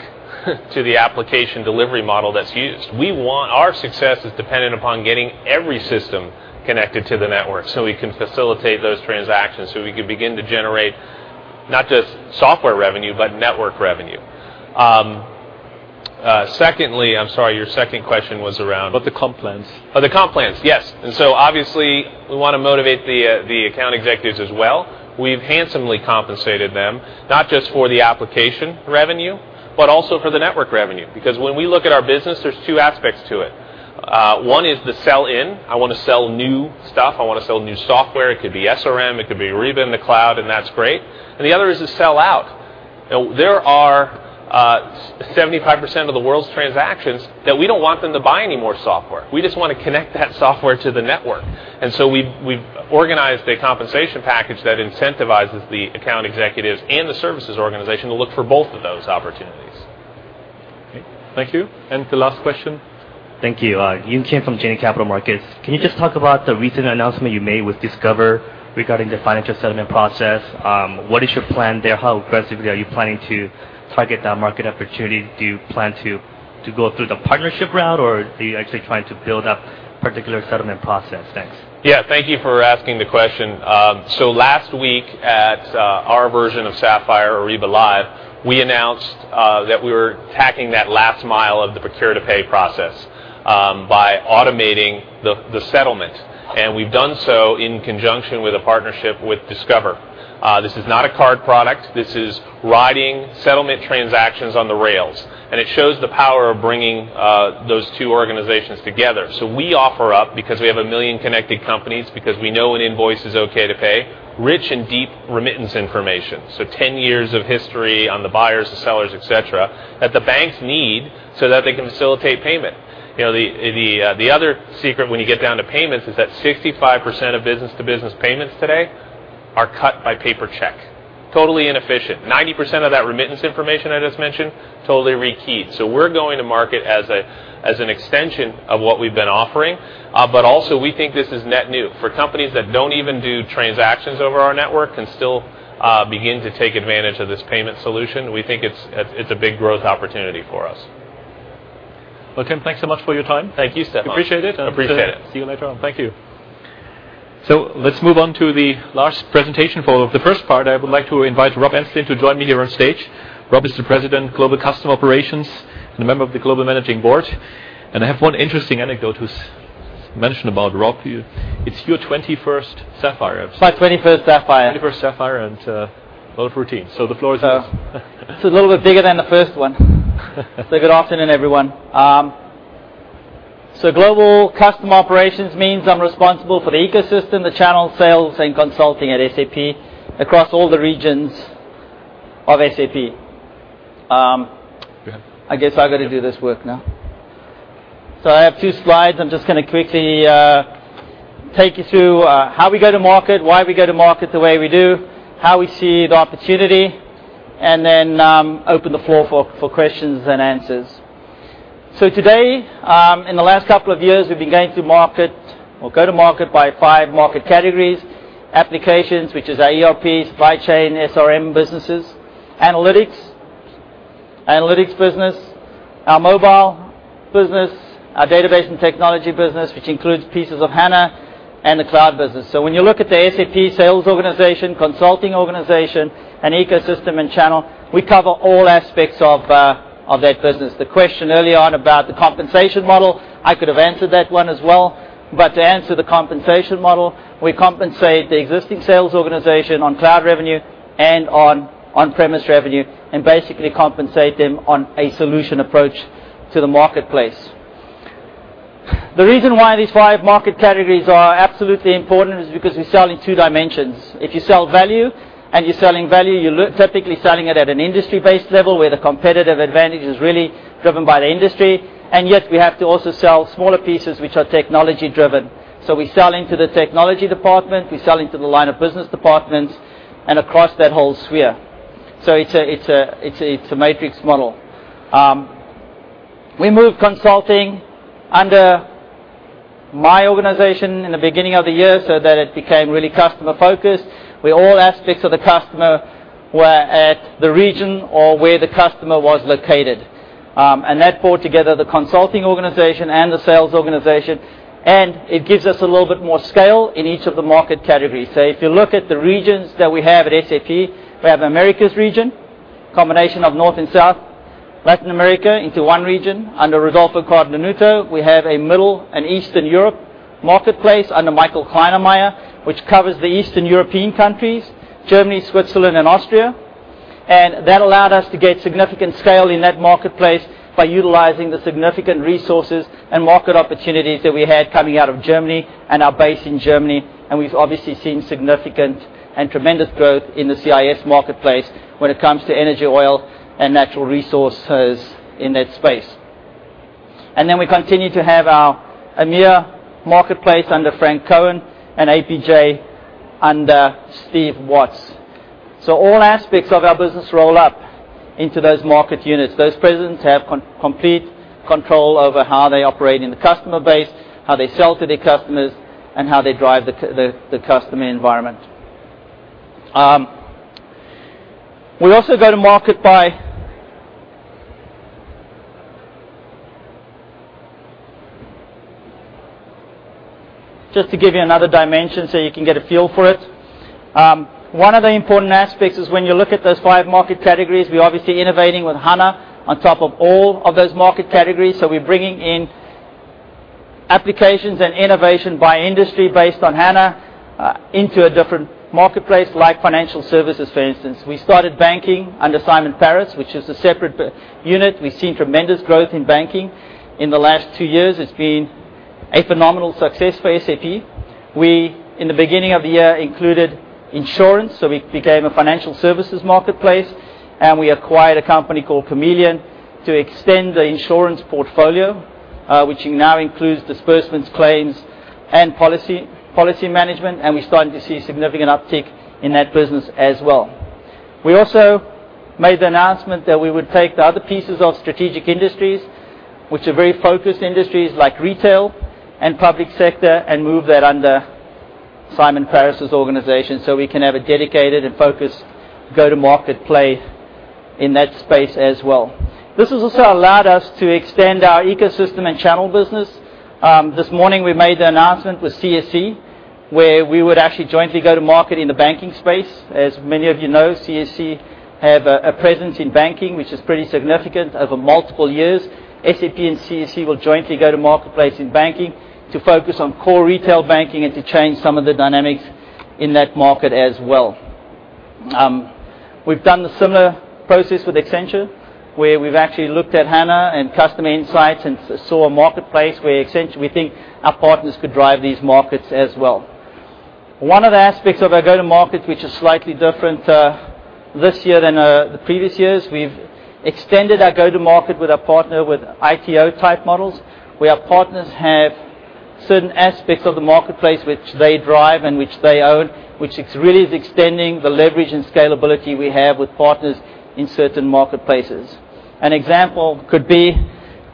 to the application delivery model that is used. Our success is dependent upon getting every system connected to the network so we can facilitate those transactions, so we can begin to generate not just software revenue, but network revenue. Secondly, I am sorry, your second question was around- About the comp plans. Oh, the comp plans. Yes. Obviously, we want to motivate the account executives as well. We've handsomely compensated them, not just for the application revenue, but also for the network revenue. Because when we look at our business, there's two aspects to it. One is the sell in. I want to sell new stuff. I want to sell new software. It could be SRM, it could be Ariba in the cloud, and that's great. The other is the sell out. There are 75% of the world's transactions that we don't want them to buy any more software. We just want to connect that software to the network. We've organized a compensation package that incentivizes the account executives and the services organization to look for both of those opportunities. Okay. Thank you. The last question. Thank you. Yoon Kim from Janney Capital Markets. Can you just talk about the recent announcement you made with Discover regarding the financial settlement process? What is your plan there? How aggressively are you planning to target that market opportunity? Do you plan to go through the partnership route, or are you actually trying to build up particular settlement process? Thanks. Yeah. Thank you for asking the question. Last week at our version of Sapphire, Ariba Live, we announced that we were attacking that last mile of the procure-to-pay process by automating the settlement. We've done so in conjunction with a partnership with Discover. This is not a card product. This is riding settlement transactions on the rails, and it shows the power of bringing those two organizations together. We offer up, because we have 1 million connected companies, because we know an invoice is okay to pay, rich and deep remittance information. 10 years of history on the buyers, the sellers, et cetera, that the banks need so that they can facilitate payment. The other secret when you get down to payments is that 65% of business-to-business payments today are cut by paper check. Totally inefficient. 90% of that remittance information I just mentioned, totally rekeyed. We're going to market as an extension of what we've been offering, but also we think this is net new for companies that don't even do transactions over our Ariba Network can still begin to take advantage of this payment solution. We think it's a big growth opportunity for us. Well, Tim, thanks so much for your time. Thank you, Stefan. Appreciate it. Appreciate it. See you later on. Thank you. Let's move on to the last presentation for the first part. I would like to invite Rob Enslin to join me here on stage. Rob is the President, Global Customer Operations, and a member of the Global Managing Board. I have one interesting anecdote to mention about Rob. It's your 21st Sapphire, I believe. My 21st Sapphire. 21st Sapphire and both routines. The floor is yours. It's a little bit bigger than the first one. Good afternoon, everyone. Global Customer Operations means I'm responsible for the ecosystem, the channel sales, and consulting at SAP across all the regions of SAP. Good. I guess I got to do this work now. I have two slides. I'm just going to quickly take you through how we go to market, why we go to market the way we do, how we see the opportunity, open the floor for questions and answers. Today, in the last couple of years, we've been going to market or go to market by 5 market categories. Applications, which is our ERP, supply chain, SRM businesses, analytics business, our mobile business, our database and technology business, which includes pieces of HANA, and the cloud business. When you look at the SAP sales organization, consulting organization, and ecosystem and channel, we cover all aspects of that business. The question early on about the compensation model, I could have answered that one as well. To answer the compensation model, we compensate the existing sales organization on cloud revenue and on on-premise revenue, basically compensate them on a solution approach to the marketplace. The reason why these 5 market categories are absolutely important is because we sell in 2 dimensions. If you sell value, and you're selling value, you're typically selling it at an industry-based level where the competitive advantage is really driven by the industry. We have to also sell smaller pieces which are technology-driven. We sell into the technology department, we sell into the line of business departments, and across that whole sphere. It's a matrix model. We moved consulting under my organization in the beginning of the year so that it became really customer-focused, where all aspects of the customer were at the region or where the customer was located. That brought together the consulting organization and the sales organization, it gives us a little bit more scale in each of the market categories. If you look at the regions that we have at SAP, we have Americas region, combination of North and South Latin America into one region under Rodolfo Cardenuto. We have a Middle and Eastern Europe marketplace under Michael Kleinemeier, which covers the Eastern European countries, Germany, Switzerland, and Austria. That allowed us to get significant scale in that marketplace by utilizing the significant resources and market opportunities that we had coming out of Germany and our base in Germany, we've obviously seen significant and tremendous growth in the CIS marketplace when it comes to energy, oil, and natural resources in that space. We continue to have our EMEA marketplace under Franck Cohen and APJ under Steve Watts. All aspects of our business roll up into those market units. Those presidents have complete control over how they operate in the customer base, how they sell to their customers, and how they drive the customer environment. We also go to market by just to give you another dimension so you can get a feel for it. One of the important aspects is when you look at those five market categories, we're obviously innovating with HANA on top of all of those market categories. We're bringing in applications and innovation by industry based on HANA, into a different marketplace like financial services, for instance. We started banking under Simon Paris, which is a separate unit. We've seen tremendous growth in banking. In the last two years, it's been a phenomenal success for SAP. We, in the beginning of the year, included insurance, so we became a financial services marketplace, and we acquired a company called Camilion to extend the insurance portfolio, which now includes disbursements, claims, and policy management, and we're starting to see significant uptick in that business as well. We also made the announcement that we would take the other pieces of strategic industries, which are very focused industries like retail and public sector, and move that under Simon Paris' organization so we can have a dedicated and focused go-to-market play in that space as well. This has also allowed us to extend our ecosystem and channel business. This morning, we made the announcement with CSC, where we would actually jointly go to market in the banking space. As many of you know, CSC have a presence in banking, which is pretty significant over multiple years. SAP and CSC will jointly go to marketplace in banking to focus on core retail banking and to change some of the dynamics in that market as well. We've done a similar process with Accenture, where we've actually looked at HANA and customer insights and saw a marketplace where we think our partners could drive these markets as well. One of the aspects of our go to market, which is slightly different this year than the previous years, we've extended our go to market with our partner with ITO type models, where our partners have certain aspects of the marketplace which they drive and which they own, which really is extending the leverage and scalability we have with partners in certain marketplaces. An example could be,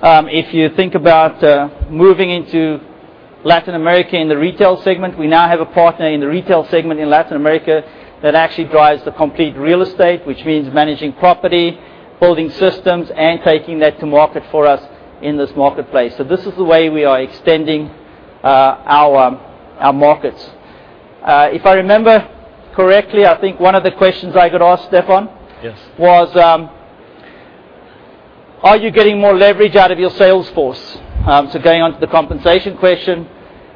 if you think about moving into Latin America in the retail segment. We now have a partner in the retail segment in Latin America that actually drives the complete real estate, which means managing property, building systems, and taking that to market for us in this marketplace. This is the way we are extending our markets. If I remember correctly, I think one of the questions I got asked, Stefan. Yes was, are you getting more leverage out of your sales force? Going on to the compensation question,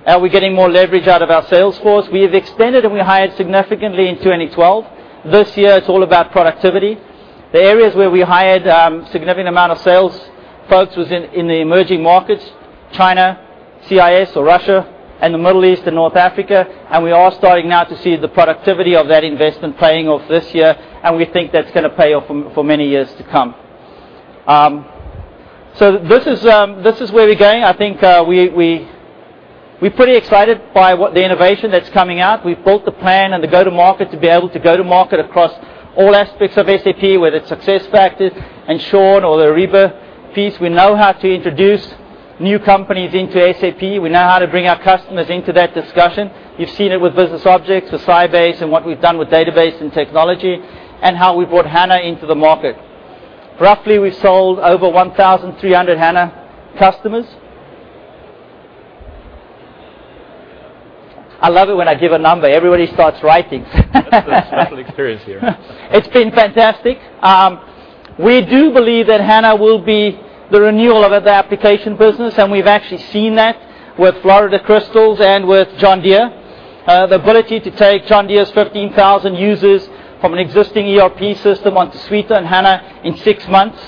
are we getting more leverage out of our sales force? We have expanded, and we hired significantly in 2012. This year, it's all about productivity. The areas where we hired a significant amount of sales folks was in the emerging markets, China, CIS or Russia, and the Middle East and North Africa, and we are starting now to see the productivity of that investment paying off this year, and we think that's going to pay off for many years to come. This is where we're going. I think we're pretty excited by what the innovation that's coming out. We've built the plan and the go-to-market to be able to go to market across all aspects of SAP, whether it's SuccessFactors, [Ensured], or the Ariba piece. We know how to introduce new companies into SAP. We know how to bring our customers into that discussion. You've seen it with BusinessObjects, with Sybase, and what we've done with database and technology, and how we brought HANA into the market. Roughly, we've sold over 1,300 HANA customers. I love it when I give a number. Everybody starts writing. It's a special experience here. It's been fantastic. We do believe that HANA will be the renewal of the application business, and we've actually seen that with Florida Crystals and with John Deere. The ability to take John Deere's 15,000 users from an existing ERP system onto Suite on HANA in six months,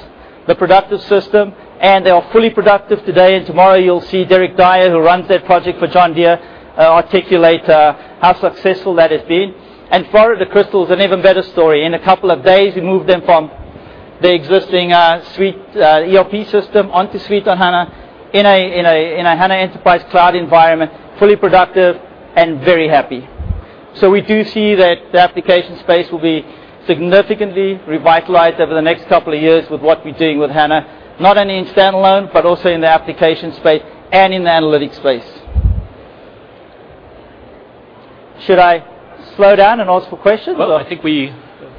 the productive system, and they are fully productive today, and tomorrow, you'll see Derek Dyer, who runs that project for John Deere, articulate how successful that has been. Florida Crystals is an even better story. In a couple of days, we moved them from their existing ERP system onto Suite on HANA in a HANA Enterprise Cloud environment, fully productive and very happy. We do see that the application space will be significantly revitalized over the next couple of years with what we're doing with HANA, not only in standalone but also in the application space and in the analytics space. Should I slow down and ask for questions? I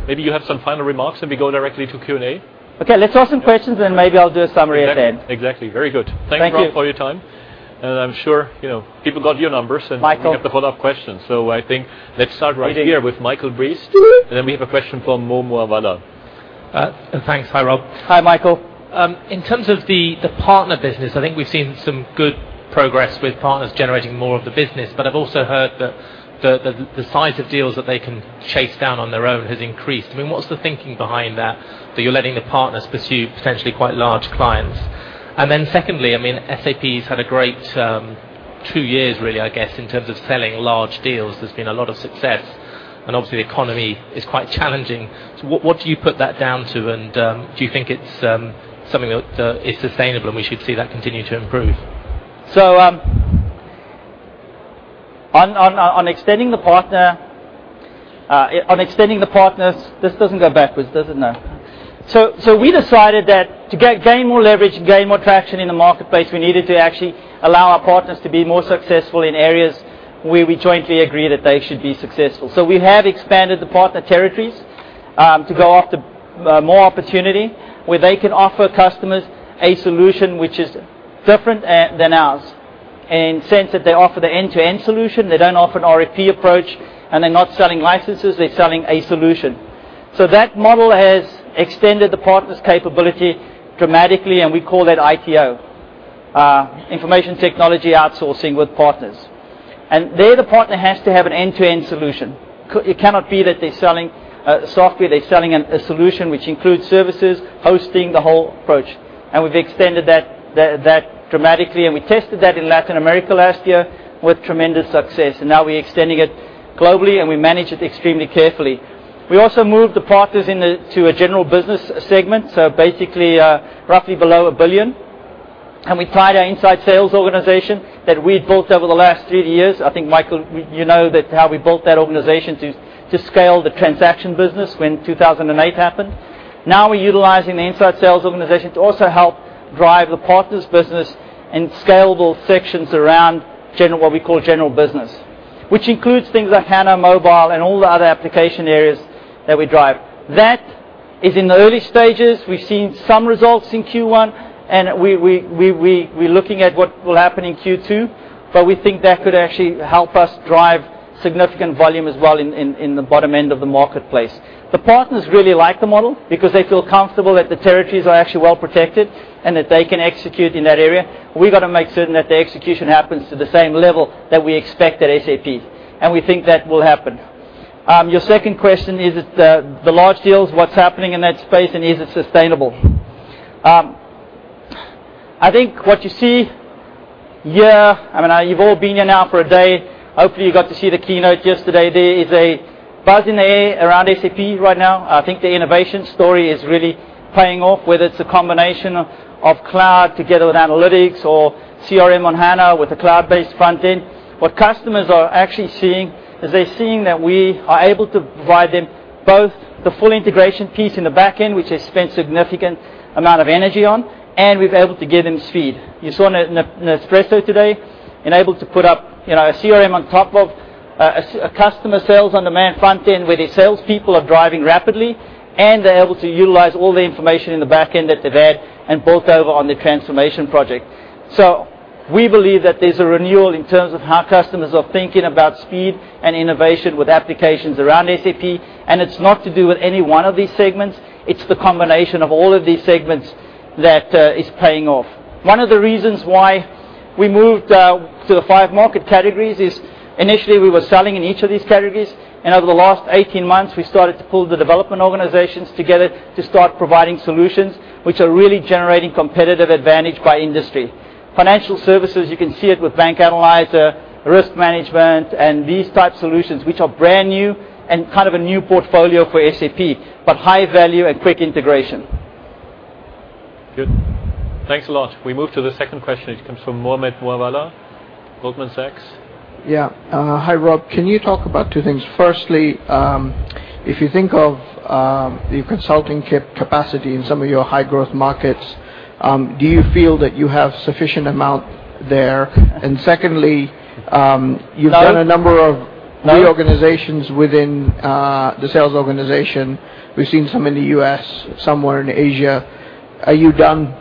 think maybe you have some final remarks, and we go directly to Q&A. Let's have some questions, and maybe I'll do a summary at the end. Exactly. Very good. Thank you. Thanks, Rob, for your time. I'm sure people got your numbers. Michael We have a whole lot of questions. I think let's start right here with Michael Briest, then we have a question from Mohammed Moawalla. Thanks. Hi, Rob. Hi, Michael. In terms of the partner business, I think we've seen some good progress with partners generating more of the business, but I've also heard that the size of deals that they can chase down on their own has increased. What's the thinking behind that you're letting the partners pursue potentially quite large clients? Secondly, SAP's had a great two years, really, I guess, in terms of selling large deals. There's been a lot of success, and obviously, the economy is quite challenging. What do you put that down to, and do you think it's something that is sustainable, and we should see that continue to improve? On extending the partners This doesn't go backwards, does it? No. We decided that to gain more leverage and gain more traction in the marketplace, we needed to actually allow our partners to be more successful in areas where we jointly agree that they should be successful. We have expanded the partner territories to go after more opportunity where they can offer customers a solution which is different than ours. In the sense that they offer the end-to-end solution, they don't offer an RFP approach, and they're not selling licenses, they're selling a solution. That model has extended the partner's capability dramatically, and we call that ITO, information technology outsourcing with partners. There, the partner has to have an end-to-end solution. It cannot be that they're selling software. They're selling a solution which includes services, hosting, the whole approach. We've extended that dramatically, and we tested that in Latin America last year with tremendous success. Now we're extending it globally, and we manage it extremely carefully. We also moved the partners to a general business segment, so basically, roughly below 1 billion. We applied our inside sales organization that we'd built over the last three years. I think, Michael, you know how we built that organization to scale the transaction business when 2008 happened. Now we're utilizing the inside sales organization to also help drive the partners' business in scalable sections around what we call general business, which includes things like HANA Mobile and all the other application areas that we drive. That is in the early stages. We've seen some results in Q1, and we're looking at what will happen in Q2, but we think that could actually help us drive significant volume as well in the bottom end of the marketplace. The partners really like the model because they feel comfortable that the territories are actually well protected and that they can execute in that area. We've got to make certain that the execution happens to the same level that we expect at SAP, and we think that will happen. Your second question is the large deals, what's happening in that space, and is it sustainable? I think what you see here, you've all been here now for a day. Hopefully, you got to see the keynote yesterday. There is a buzz in the air around SAP right now. I think the innovation story is really paying off, whether it's a combination of cloud together with analytics or CRM on HANA with a cloud-based front end. What customers are actually seeing is they're seeing that we are able to provide them both the full integration piece in the back end, which they spent significant amount of energy on, and we've able to give them speed. You saw Nespresso today, and able to put up a CRM on top of a customer sales on-demand front end, where their salespeople are driving rapidly, and they're able to utilize all the information in the back end that they've had, and built over on the transformation project. We believe that there's a renewal in terms of how customers are thinking about speed and innovation with applications around SAP, and it's not to do with any one of these segments. It's the combination of all of these segments that is paying off. One of the reasons why we moved to the five market categories is initially, we were selling in each of these categories, and over the last 18 months, we started to pull the development organizations together to start providing solutions, which are really generating competitive advantage by industry. Financial services, you can see it with Bank Analyzer, risk management, and these type solutions, which are brand new and kind of a new portfolio for SAP, but high value and quick integration. Good. Thanks a lot. We move to the second question. It comes from Mohammed Moawalla, Goldman Sachs. Yeah. Hi, Rob. Can you talk about two things? Firstly, if you think of the consulting capacity in some of your high-growth markets, do you feel that you have sufficient amount there? Secondly- No you've done a number of- No reorganizations within the sales organization. We've seen some in the U.S., some more in Asia. Are you done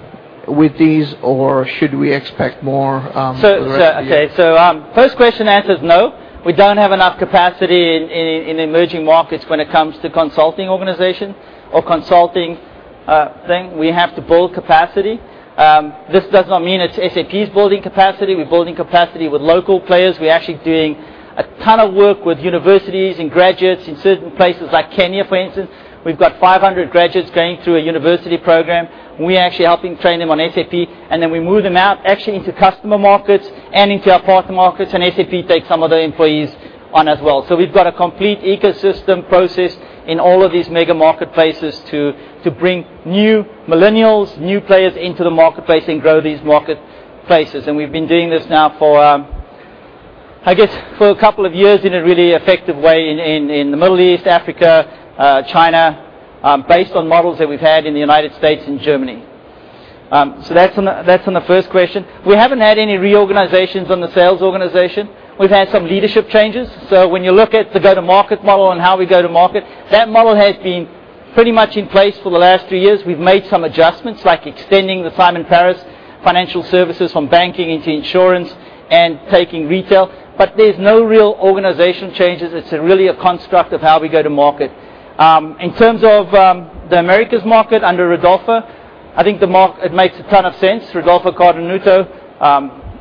with these, or should we expect more for the rest of the year? First question answer is no. We don't have enough capacity in emerging markets when it comes to consulting organization or consulting thing. We have to build capacity. This does not mean it's SAP's building capacity. We're building capacity with local players. We're actually doing a ton of work with universities and graduates in certain places like Kenya, for instance. We've got 500 graduates going through a university program, we actually helping train them on SAP, then we move them out, actually into customer markets and into our partner markets, SAP takes some of their employees on as well. We've got a complete ecosystem process in all of these mega marketplaces to bring new millennials, new players into the marketplace and grow these marketplaces. We've been doing this now for, I guess, for a couple of years in a really effective way in the Middle East, Africa, China, based on models that we've had in the U.S. and Germany. That's on the first question. We haven't had any reorganizations on the sales organization. We've had some leadership changes. When you look at the go-to-market model and how we go to market, that model has been pretty much in place for the last 2 years. We've made some adjustments, like extending the Simon Paris financial services from banking into insurance and taking retail. There's no real organization changes. It's really a construct of how we go to market. In terms of the Americas market, under Rodolfo, I think it makes a ton of sense. Rodolfo Cardenuto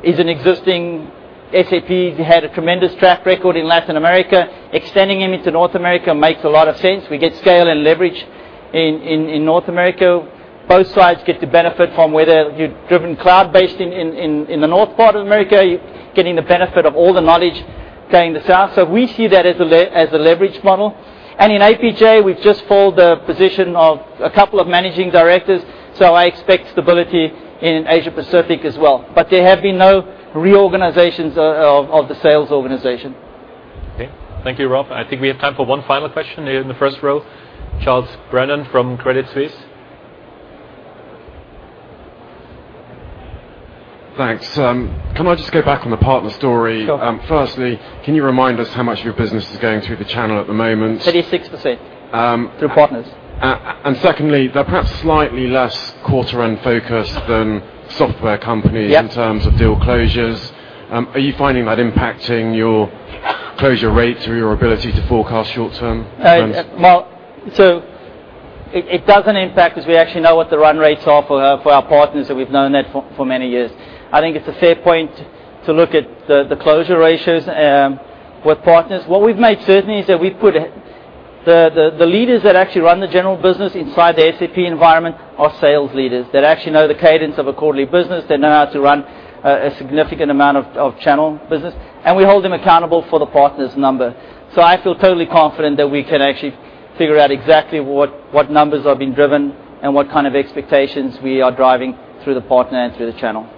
is an existing SAP. He had a tremendous track record in Latin America. Extending him into North America makes a lot of sense. We get scale and leverage in North America. Both sides get to benefit from, whether you're driven cloud-based in the north part of America, you're getting the benefit of all the knowledge going south. We see that as a leverage model. In APJ, we've just filled the position of a couple of managing directors, so I expect stability in Asia Pacific as well. There have been no reorganizations of the sales organization. Okay. Thank you, Rob. I think we have time for one final question. In the first row, Charles Brennan from Credit Suisse. Thanks. Can I just go back on the partner story? Sure. Firstly, can you remind us how much of your business is going through the channel at the moment? 36% through partners. Secondly, they're perhaps slightly less quarter-run focused than software companies. Yeah In terms of deal closures. Are you finding that impacting your closure rates or your ability to forecast short term trends? It doesn't impact because we actually know what the run rates are for our partners, and we've known that for many years. I think it's a fair point to look at the closure ratios with partners. What we've made certain is that we put the leaders that actually run the general business inside the SAP environment are sales leaders, that actually know the cadence of a quarterly business. They know how to run a significant amount of channel business. We hold them accountable for the partners number. I feel totally confident that we can actually figure out exactly what numbers are being driven and what kind of expectations we are driving through the partner and through the channel.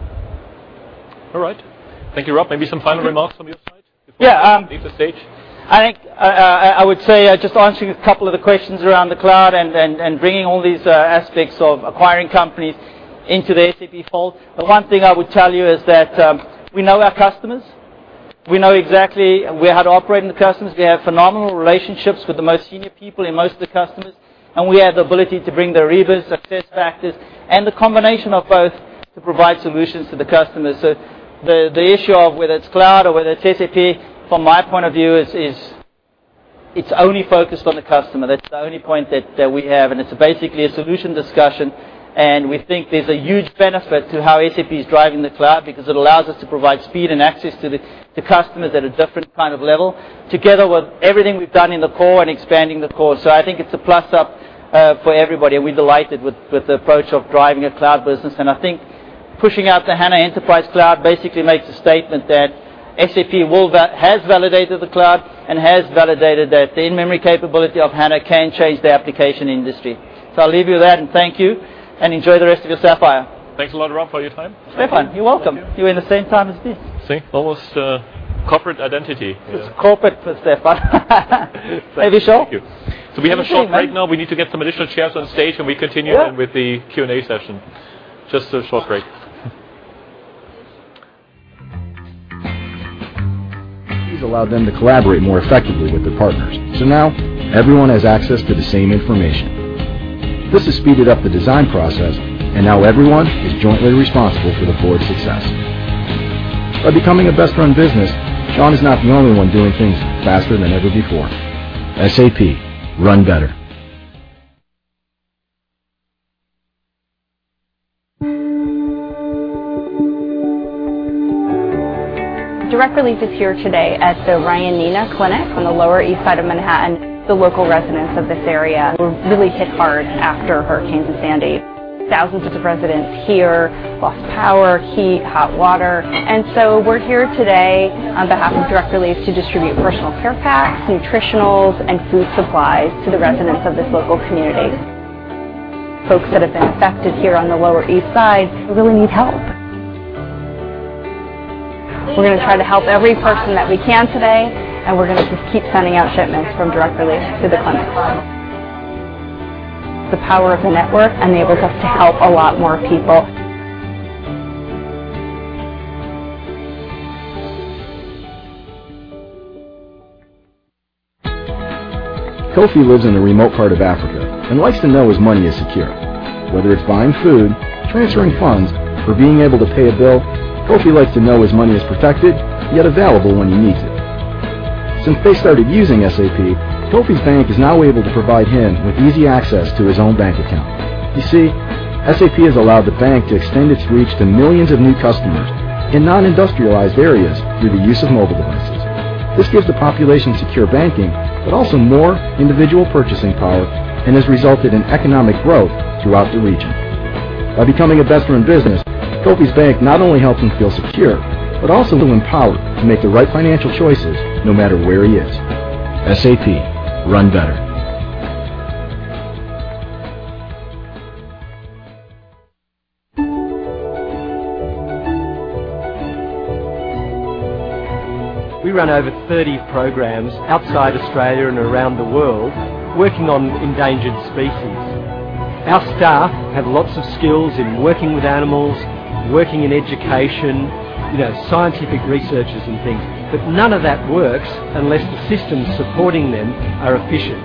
Thank you, Rob. Maybe some final remarks from your side- Yeah before you leave the stage. Just answering a couple of the questions around the cloud and bringing all these aspects of acquiring companies into the SAP fold. The one thing I would tell you is that we know our customers. We know exactly how to operate on the customers. We have phenomenal relationships with the most senior people in most of the customers, and we have the ability to bring the Ariba SuccessFactors and the combination of both to provide solutions to the customers. The issue of whether it's cloud or whether it's SAP, from my point of view, it's only focused on the customer. That's the only point that we have, and it's basically a solution discussion. We think there's a huge benefit to how SAP is driving the cloud because it allows us to provide speed and access to the customers at a different kind of level, together with everything we've done in the core and expanding the core. I think it's a plus-up for everybody, and we're delighted with the approach of driving a cloud business. I think pushing out the HANA Enterprise Cloud basically makes a statement that SAP has validated the cloud and has validated that the in-memory capability of HANA can change the application industry. I'll leave you with that, and thank you, and enjoy the rest of your Sapphire. Thanks a lot, Rob, for your time. Stefan, you're welcome. Thank you. You were in the same time as this. See? Almost a corporate identity. It's corporate for Stefan. Thank you. Any show? We have a show right now. We need to get some additional chairs on stage, and we continue- Yeah With the Q&A session. Just a short break. These allow them to collaborate more effectively with their partners. Now everyone has access to the same information. This has speeded up the design process, and now everyone is jointly responsible for the board's success. By becoming a best-run business, John is not the only one doing things faster than ever before. SAP. Run better. Direct Relief is here today at the Ryan NENA Clinic on the Lower East Side of Manhattan. The local residents of this area were really hit hard after Hurricane Sandy. Thousands of residents here lost power, heat, hot water. We're here today on behalf of Direct Relief to distribute personal care packs, nutritionals, and food supplies to the residents of this local community. Folks that have been affected here on the Lower East Side really need help. We're going to try to help every person that we can today, and we're going to just keep sending out shipments from Direct Relief to the clinic. The power of the network enables us to help a lot more people. Kofi lives in a remote part of Africa and likes to know his money is secure. Whether it's buying food, transferring funds, or being able to pay a bill, Kofi likes to know his money is protected, yet available when he needs it. Since they started using SAP, Kofi's bank is now able to provide him with easy access to his own bank account. You see, SAP has allowed the bank to extend its reach to millions of new customers in non-industrialized areas through the use of mobile devices. This gives the population secure banking, but also more individual purchasing power, and has resulted in economic growth throughout the region. By becoming a best-run business, Kofi's bank not only helps him feel secure, but also to empower to make the right financial choices no matter where he is. SAP. Run better. We run over 30 programs outside Australia and around the world working on endangered species. Our staff have lots of skills in working with animals, working in education, scientific researches and things. None of that works unless the systems supporting them are efficient.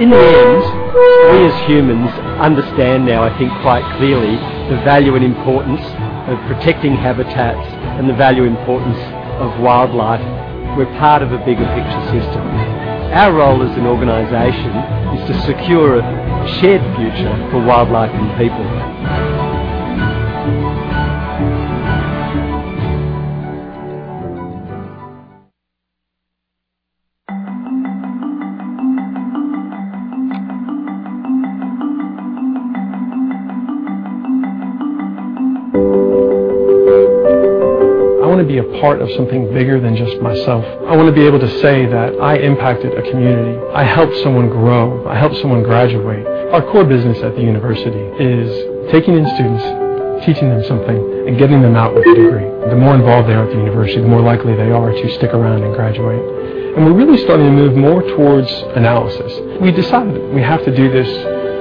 In the end, we as humans understand now, I think, quite clearly the value and importance of protecting habitats and the value importance of wildlife. We're part of a bigger picture system. Our role as an organization is to secure a shared future for wildlife and people. I want to be a part of something bigger than just myself. I want to be able to say that I impacted a community. I helped someone grow. I helped someone graduate. Our core business at the university is taking in students, teaching them something, and getting them out with a degree. The more involved they are at the university, the more likely they are to stick around and graduate. We're really starting to move more towards analysis. We decided we have to do this.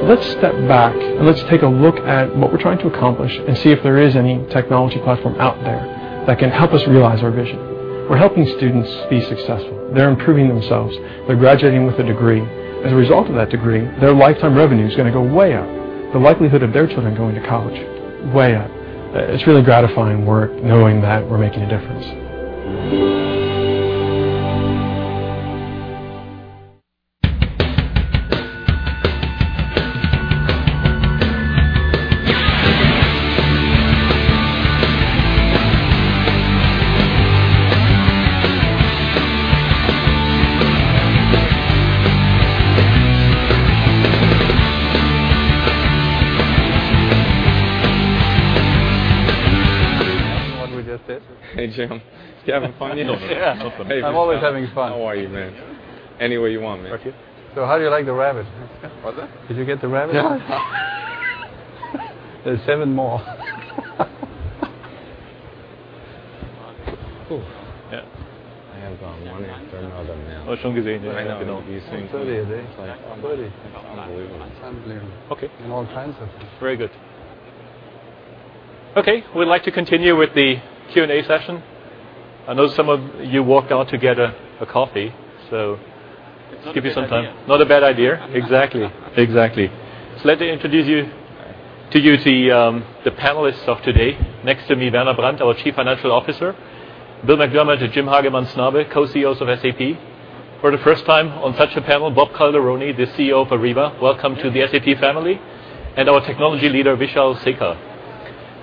Let's step back and let's take a look at what we're trying to accomplish and see if there is any technology platform out there that can help us realize our vision. We're helping students be successful. They're improving themselves. They're graduating with a degree. As a result of that degree, their lifetime revenue is going to go way up. The likelihood of their children going to college, way up. It's really gratifying work knowing that we're making a difference. What we just said. Hey, Jim. Is Kevin finding it? Yeah. Hey, Jim. I'm always having fun. How are you, man? Any way you want, man. Thank you. How do you like the rabbit? What's that? Did you get the rabbit? Yeah. There's seven more. Cool. Yeah. I have one after another now. As long as they end up in all these things. 30 a day. 30. Unbelievable. Unbelievable. Very good. We'd like to continue with the Q&A session. I know some of you walked out to get a coffee, give you some time. It's not a bad idea. Not a bad idea. Exactly. Exactly. Let me introduce to you the panelists of today. Next to me, Werner Brandt, our Chief Financial Officer, Bill McDermott and Jim Hagemann Snabe, Co-CEOs of SAP. For the first time on such a panel, Bob Calderoni, the CEO of Ariba. Welcome to the SAP family. Our technology leader, Vishal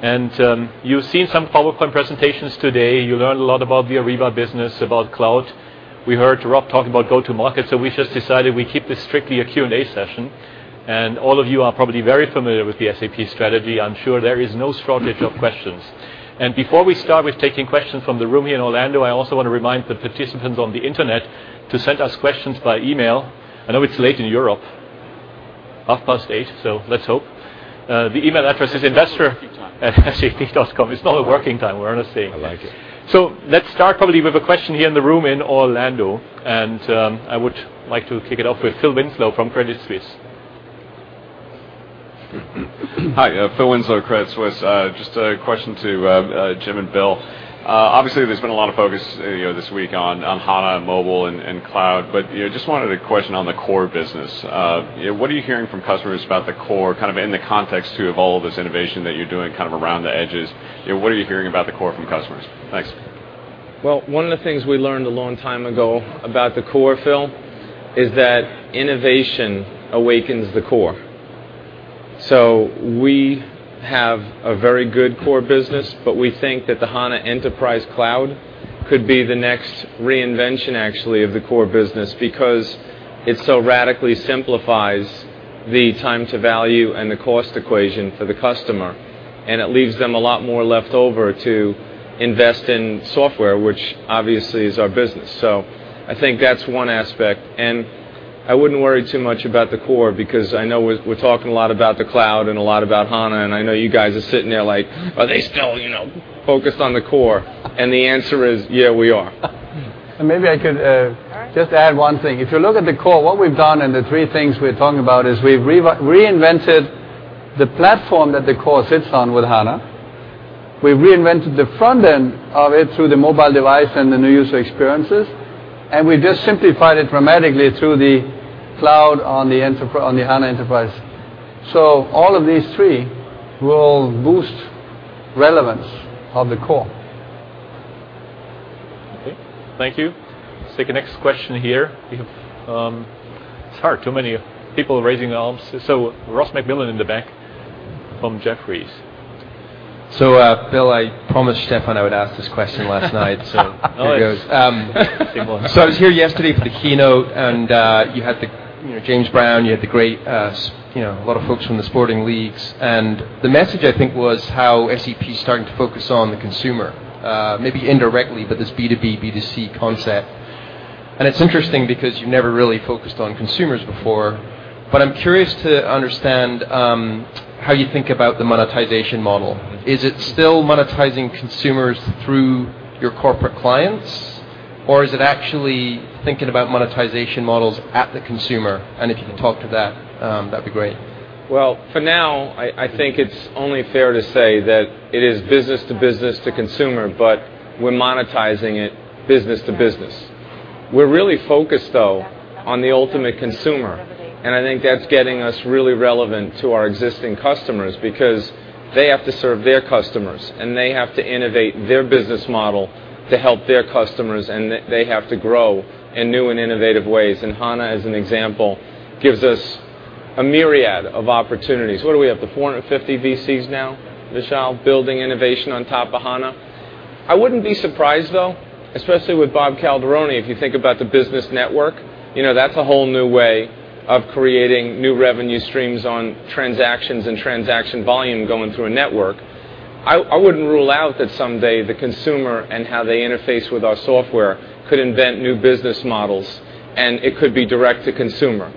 Sikka. You've seen some PowerPoint presentations today. You learned a lot about the Ariba business, about cloud. We heard Rob talk about go-to-market. We just decided we keep this strictly a Q&A session. All of you are probably very familiar with the SAP strategy. I'm sure there is no shortage of questions. Before we start with taking questions from the room here in Orlando, I also want to remind the participants on the internet to send us questions by email. I know it's late in Europe, 8:30 P.M. Let's hope. The email address is investor-@sap.com. It's not working time. We're on a safe. I like it. Let's start probably with a question here in the room in Orlando. I would like to kick it off with Phil Winslow from Credit Suisse. Hi, Phil Winslow, Credit Suisse. Just a question to Jim and Bill. Obviously, there's been a lot of focus this week on HANA, mobile, and cloud. Just wanted a question on the core business. What are you hearing from customers about the core, kind of in the context, too, of all this innovation that you're doing kind of around the edges? What are you hearing about the core from customers? Thanks. Well, one of the things we learned a long time ago about the core, Phil, is that innovation awakens the core. We have a very good core business, but we think that the HANA Enterprise Cloud could be the next reinvention, actually, of the core business because it so radically simplifies the time to value and the cost equation for the customer, and it leaves them a lot more left over to invest in software, which obviously is our business. I think that's one aspect. I wouldn't worry too much about the core because I know we're talking a lot about the cloud and a lot about HANA, and I know you guys are sitting there like, "Are they still focused on the core?" The answer is, yeah, we are. Maybe I could- All right Just add one thing. If you look at the core, what we've done and the three things we're talking about is we've reinvented the platform that the core sits on with HANA. We've reinvented the front end of it through the mobile device and the new user experiences, and we've just simplified it dramatically through the cloud on the HANA enterprise. All of these three will boost relevance of the core. Okay. Thank you. Let's take the next question here. It's hard, too many people raising their arms. Ross MacMillan in the back from Jefferies. Bill, I promised Stefan I would ask this question last night. Nice Here goes. Say more. I was here yesterday for the keynote, you had James Brown, you had a lot of folks from the sporting leagues, the message I think was how SAP's starting to focus on the consumer, maybe indirectly, but this B2B, B2C concept. It's interesting because you never really focused on consumers before, but I'm curious to understand how you think about the monetization model. Is it still monetizing consumers through your corporate clients, or is it actually thinking about monetization models at the consumer? If you could talk to that'd be great. Well, for now, I think it's only fair to say that it is business to business to consumer, but we're monetizing it business to business. We're really focused, though, on the ultimate consumer, and I think that's getting us really relevant to our existing customers because they have to serve their customers, and they have to innovate their business model to help their customers, and they have to grow in new and innovative ways. HANA, as an example, gives us a myriad of opportunities. What do we have, the 450 VCs now, Vishal, building innovation on top of HANA? I wouldn't be surprised, though, especially with Bob Calderoni, if you think about the business network. That's a whole new way of creating new revenue streams on transactions and transaction volume going through a network. I wouldn't rule out that someday the consumer and how they interface with our software could invent new business models, and it could be direct to consumer.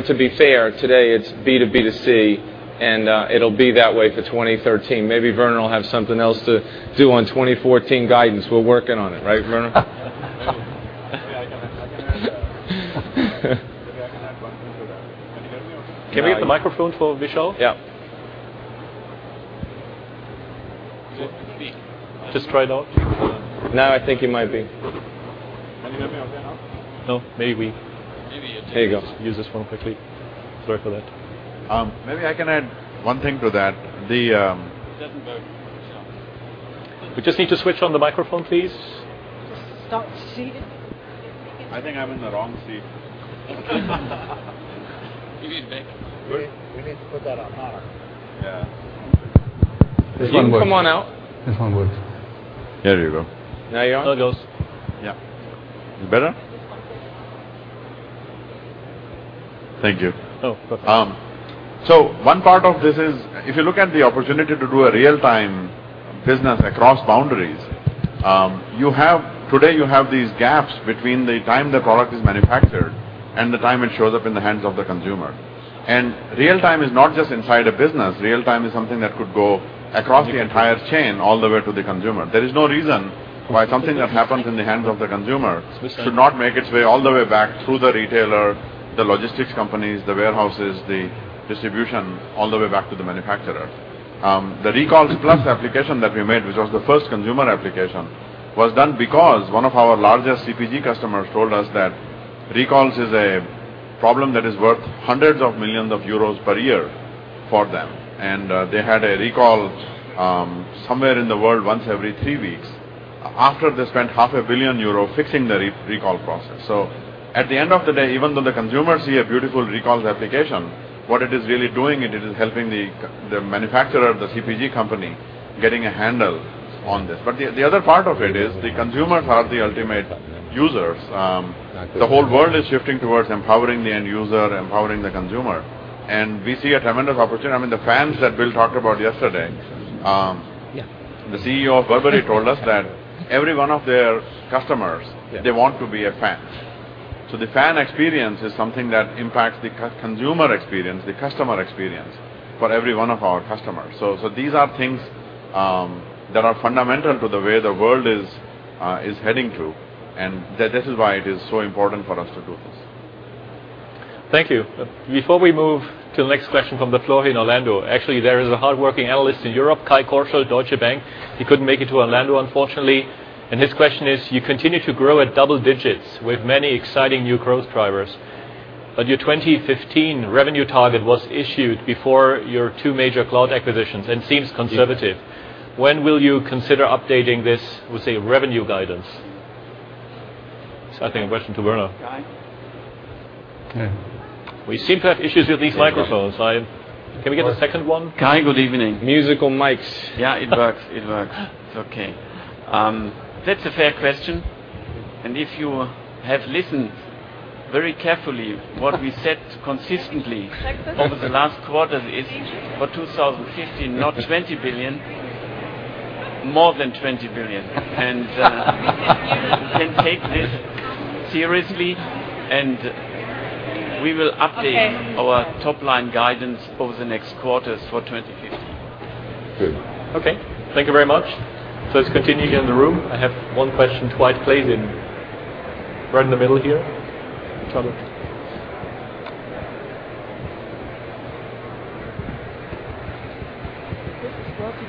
To be fair, today it's B2B2C, it'll be that way for 2013. Maybe Werner will have something else to do on 2014 guidance. We're working on it. Right, Werner? Maybe I can add one thing to that. Can you hear me okay? Yeah. Can we get the microphone for Vishal? Yeah. Just try it out. No, I think he might be. Can you hear me okay now? No. Maybe. Maybe. Here you go. Use this one quickly. Sorry for that. Maybe I can add one thing to that. It doesn't work for some reason. We just need to switch on the microphone, please. Just stop cheating. I think I'm in the wrong seat. You need to make. We need to put that on HANA. Yeah. This one works. Can you come on out? This one works. There you go. Now you're on? There it goes. Yeah. Is it better? Thank you. Oh, perfect. One part of this is, if you look at the opportunity to do a real-time business across boundaries, today you have these gaps between the time the product is manufactured and the time it shows up in the hands of the consumer. Real-time is not just inside a business. Real-time is something that could go across the entire chain all the way to the consumer. There is no reason why something that happens in the hands of the consumer- Switch that should not make its way all the way back through the retailer, the logistics companies, the warehouses, the distribution, all the way back to the manufacturer. The Recalls Plus application that we made, which was the first consumer application, was done because one of our largest CPG customers told us that recalls is a problem that is worth hundreds of millions of EUR per year for them. They had a recall somewhere in the world once every three weeks after they spent half a billion EUR fixing the recall process. At the end of the day, even though the consumers see a beautiful Recalls Plus application, what it is really doing, it is helping the manufacturer, the CPG company, getting a handle on this. The other part of it is the consumers are the ultimate users. The whole world is shifting towards empowering the end user, empowering the consumer, we see a tremendous opportunity. I mean, the fans that Bill talked about yesterday. Yeah. The CEO of Burberry told us that every one of their customers, they want to be a fan. The fan experience is something that impacts the consumer experience, the customer experience for every one of our customers. These are things that are fundamental to the way the world is heading to, and that this is why it is so important for us to do this. Thank you. Before we move to the next question from the floor here in Orlando, actually, there is a hardworking analyst in Europe, Kai Korschelt of Deutsche Bank. He couldn't make it to Orlando, unfortunately. His question is, you continue to grow at double digits with many exciting new growth drivers. Your 2015 revenue target was issued before your two major cloud acquisitions and seems conservative. Yeah. When will you consider updating this, we'll say, revenue guidance? I think a question to Werner. Kai? Yeah. We seem to have issues with these microphones. Can we get a second one? Kai, good evening. Musical mics. Yeah, it works. It's okay. That's a fair question. If you have listened very carefully, what we said consistently over the last quarter is for 2015, not 20 billion, more than 20 billion. You can take this seriously, and we will update our top-line guidance over the next quarters for 2015. Good. Okay. Thank you very much. Let's continue here in the room. I have one question right in the middle here. Which one?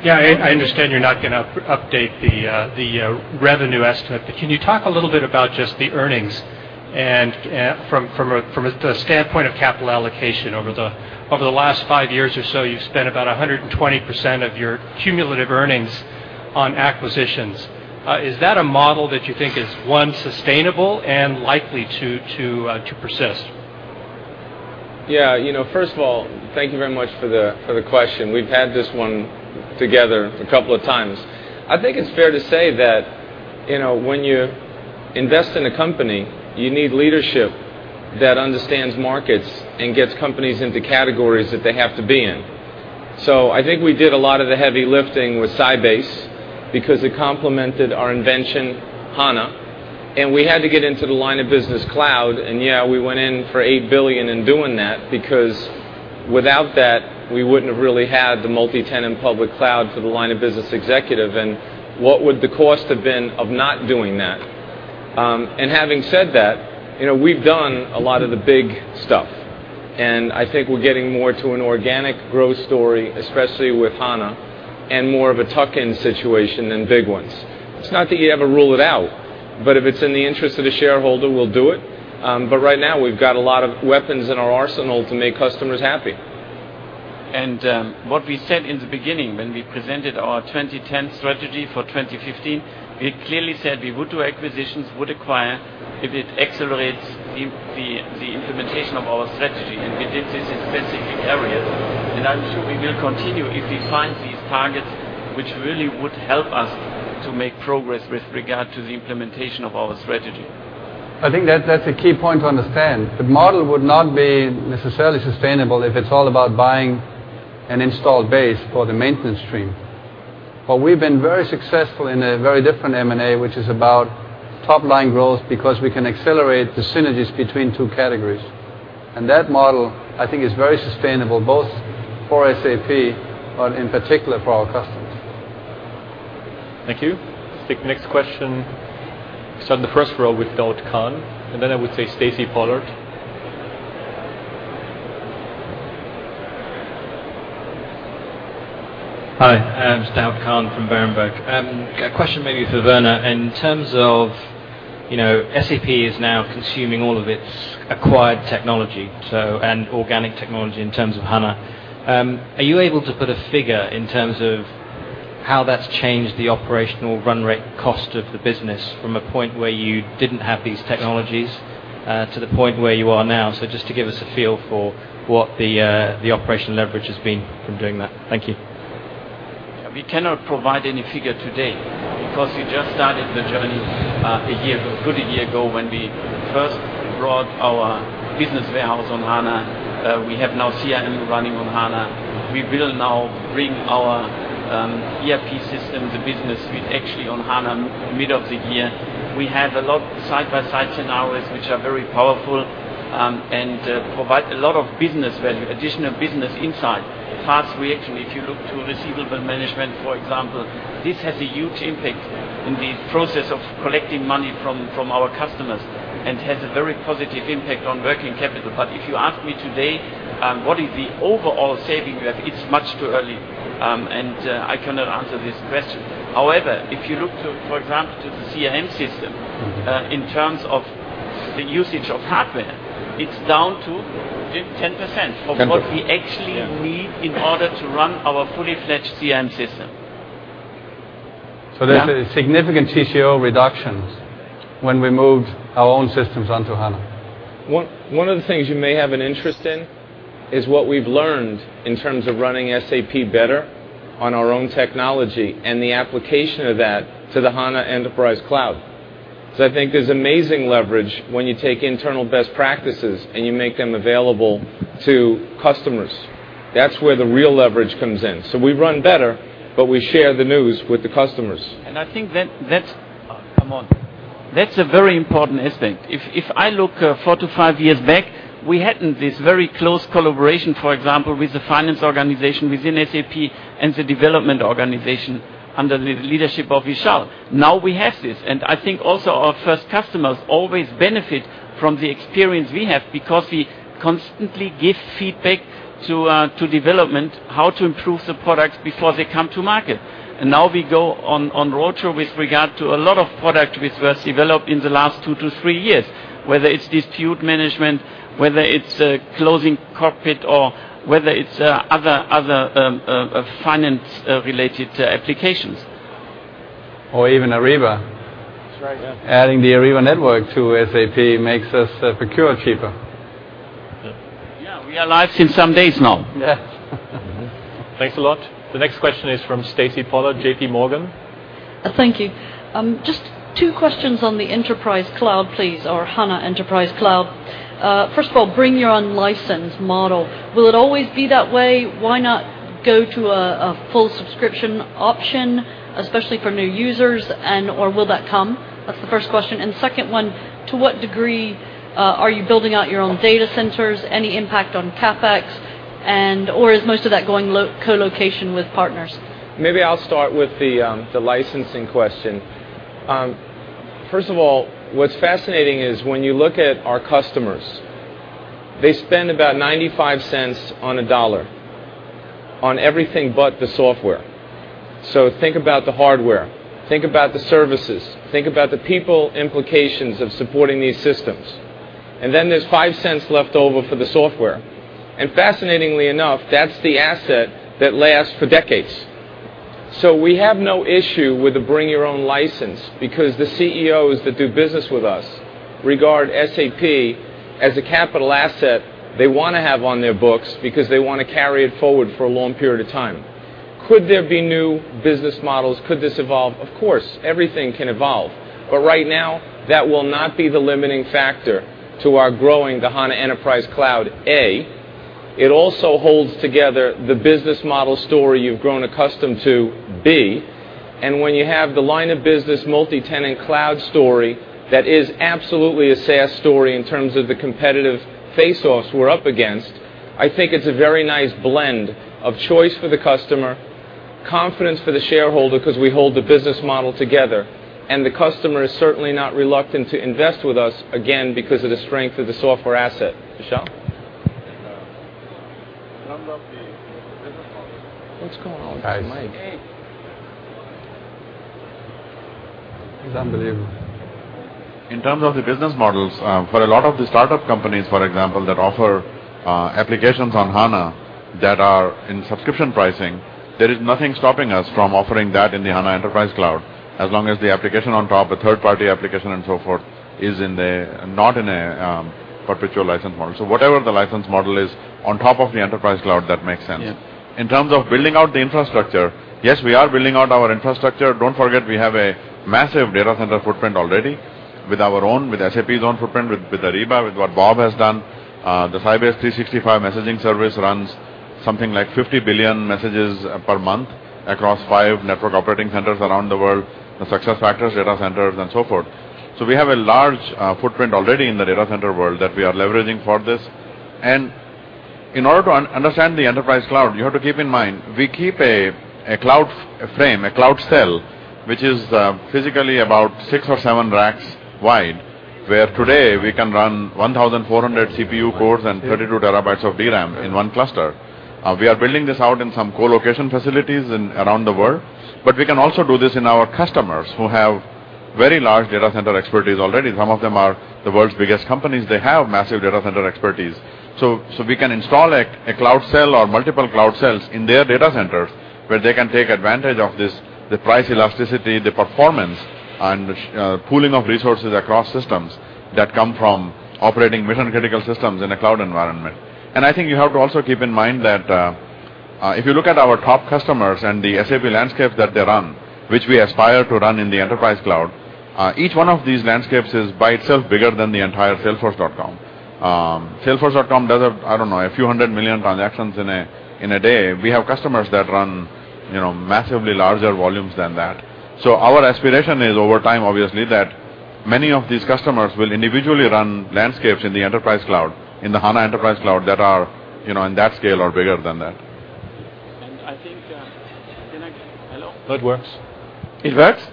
I understand you're not going to update the revenue estimate, but can you talk a little bit about just the earnings and from the standpoint of capital allocation? Over the last five years or so, you've spent about 120% of your cumulative earnings on acquisitions. Is that a model that you think is, one, sustainable and likely to persist? First of all, thank you very much for the question. We've had this one together a couple of times. I think it's fair to say that when you invest in a company, you need leadership that understands markets and gets companies into categories that they have to be in. I think we did a lot of the heavy lifting with Sybase because it complemented our invention, HANA, we had to get into the line-of-business cloud. We went in for 8 billion in doing that because without that, we wouldn't have really had the multi-tenant public cloud for the line of business executive. What would the cost have been of not doing that? Having said that, we've done a lot of the big stuff, I think we're getting more to an organic growth story, especially with HANA, more of a tuck-in situation than big ones. It's not that you ever rule it out, if it's in the interest of the shareholder, we'll do it. Right now, we've got a lot of weapons in our arsenal to make customers happy. What we said in the beginning when we presented our 2010 strategy for 2015, we clearly said we would do acquisitions, would acquire if it accelerates the implementation of our strategy, and we did this in specific areas. I'm sure we will continue if we find these targets, which really would help us to make progress with regard to the implementation of our strategy. I think that's a key point to understand. The model would not be necessarily sustainable if it's all about buying an installed base for the maintenance stream. We've been very successful in a very different M&A, which is about top-line growth because we can accelerate the synergies between two categories. That model, I think, is very sustainable both for SAP, but in particular for our customers. Thank you. I think next question, start in the first row with Daud Khan, and then I would say Stacy Pollard. Hi, I'm Daud Khan from Berenberg. A question maybe for Werner. In terms of SAP is now consuming all of its acquired technology, and organic technology in terms of HANA. Are you able to put a figure in terms of how that's changed the operational run rate cost of the business from a point where you didn't have these technologies to the point where you are now? Just to give us a feel for what the operational leverage has been from doing that. Thank you. We cannot provide any figure today because we just started the journey a good year ago when we first brought our Business Warehouse on HANA. We have now CRM running on HANA. We will now bring our ERP system, the Business Suite, actually on HANA in the middle of the year. We have a lot side-by-side scenarios, which are very powerful and provide a lot of business value, additional business insight, fast reaction. If you look to receivable management, for example, this has a huge impact in the process of collecting money from our customers and has a very positive impact on working capital. However, if you ask me today, what is the overall saving we have? It's much too early, and I cannot answer this question. If you look to, for example, to the CRM system, in terms of the usage of hardware, it's down to 10%- 10% of what we actually need in order to run our fully fledged CRM system. There's a significant TCO reduction when we moved our own systems onto HANA. One of the things you may have an interest in is what we've learned in terms of running SAP better on our own technology and the application of that to the HANA Enterprise Cloud. I think there's amazing leverage when you take internal best practices and you make them available to customers. That's where the real leverage comes in. We run better, but we share the news with the customers. I think that's Come on That's a very important aspect. If I look four to five years back, we hadn't this very close collaboration, for example, with the finance organization within SAP and the development organization under the leadership of Vishal. Now we have this, and I think also our first customers always benefit from the experience we have because we constantly give feedback to development, how to improve the products before they come to market. Now we go on roadshow with regard to a lot of product which was developed in the last two to three years, whether it's Dispute Management, whether it's Closing Cockpit, or whether it's other finance-related applications. Even Ariba. That's right, yeah. Adding the Ariba Network to SAP makes us procure cheaper. Yeah. We are live since some days now. Yes. Thanks a lot. The next question is from Stacy Pollard, JP Morgan. Thank you. Just two questions on the Enterprise Cloud, please, or HANA Enterprise Cloud. First of all, bring your own license model. Will it always be that way? Why not go to a full subscription option, especially for new users, and/or will that come? That's the first question. Second one, to what degree are you building out your own data centers? Any impact on CapEx, and/or is most of that going co-location with partners? Maybe I'll start with the licensing question. First of all, what's fascinating is when you look at our customers, they spend about 0.95 on a EUR 1 on everything but the software. Think about the hardware, think about the services, think about the people implications of supporting these systems. Then there's 0.05 left over for the software. Fascinatingly enough, that's the asset that lasts for decades. We have no issue with the bring your own license because the CEOs that do business with us regard SAP as a capital asset they want to have on their books because they want to carry it forward for a long period of time. Could there be new business models? Could this evolve? Of course. Everything can evolve. Right now, that will not be the limiting factor to our growing the HANA Enterprise Cloud, A. It also holds together the business model story you've grown accustomed to, B. When you have the line of business multi-tenant cloud story, that is absolutely a SaaS story in terms of the competitive face-offs we're up against. I think it's a very nice blend of choice for the customer, confidence for the shareholder because we hold the business model together, the customer is certainly not reluctant to invest with us, again, because of the strength of the software asset. Vishal? What's going on with this mic? It's unbelievable. In terms of the business models, for a lot of the startup companies, for example, that offer applications on HANA that are in subscription pricing, there is nothing stopping us from offering that in the HANA Enterprise Cloud, as long as the application on top, the third-party application and so forth, is not in a perpetual license model. Whatever the license model is on top of the Enterprise Cloud, that makes sense. Yeah. In terms of building out the infrastructure, yes, we are building out our infrastructure. Don't forget we have a massive data center footprint already with our own, with SAP's own footprint, with Ariba, with what Bob has done. The Sybase 365 messaging service runs something like 50 billion messages per month across five network operating centers around the world, the SuccessFactors data centers, and so forth. We have a large footprint already in the data center world that we are leveraging for this. In order to understand the Enterprise Cloud, you have to keep in mind, we keep a cloud frame, a cloud cell, which is physically about six or seven racks wide, where today we can run 1,400 CPU cores and 32 terabytes of DRAM in one cluster. We are building this out in some co-location facilities around the world, we can also do this in our customers who have very large data center expertise already. Some of them are the world's biggest companies. They have massive data center expertise. We can install a cloud cell or multiple cloud cells in their data centers where they can take advantage of this, the price elasticity, the performance, and pooling of resources across systems that come from operating mission-critical systems in a cloud environment. I think you have to also keep in mind that if you look at our top customers and the SAP landscape that they run, which we aspire to run in the Enterprise Cloud, each one of these landscapes is by itself bigger than the entire salesforce.com. salesforce.com does, I don't know, a few hundred million transactions in a day. We have customers that run massively larger volumes than that. Our aspiration is over time, obviously, that many of these customers will individually run landscapes in the Enterprise Cloud, in the HANA Enterprise Cloud, that are in that scale or bigger than that. Can I? Hello? That works. It works?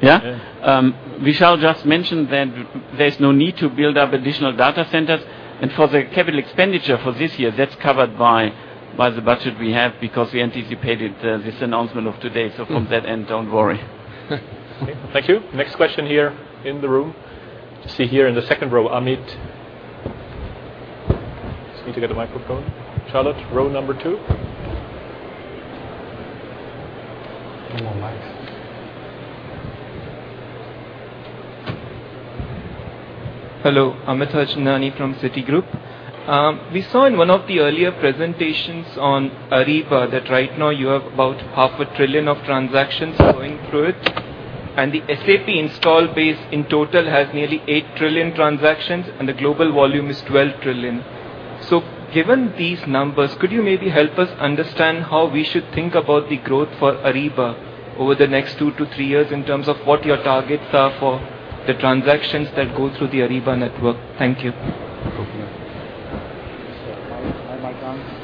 Yeah? Yeah. Vishal just mentioned that there's no need to build up additional data centers. For the capital expenditure for this year, that's covered by the budget we have because we anticipated this announcement of today. From that end, don't worry. Okay. Thank you. Next question here in the room. I see here in the second row, Amit. Just need to get a microphone. Charlotte, row number two. No more mics. Hello. Amit Harchandani from Citigroup. We saw in one of the earlier presentations on Ariba that right now you have about half a trillion of transactions going through it, and the SAP install base in total has nearly 8 trillion transactions, and the global volume is 12 trillion. Given these numbers, could you maybe help us understand how we should think about the growth for Ariba over the next 2 to 3 years in terms of what your targets are for the transactions that go through the Ariba Network? Thank you. Is my mic on?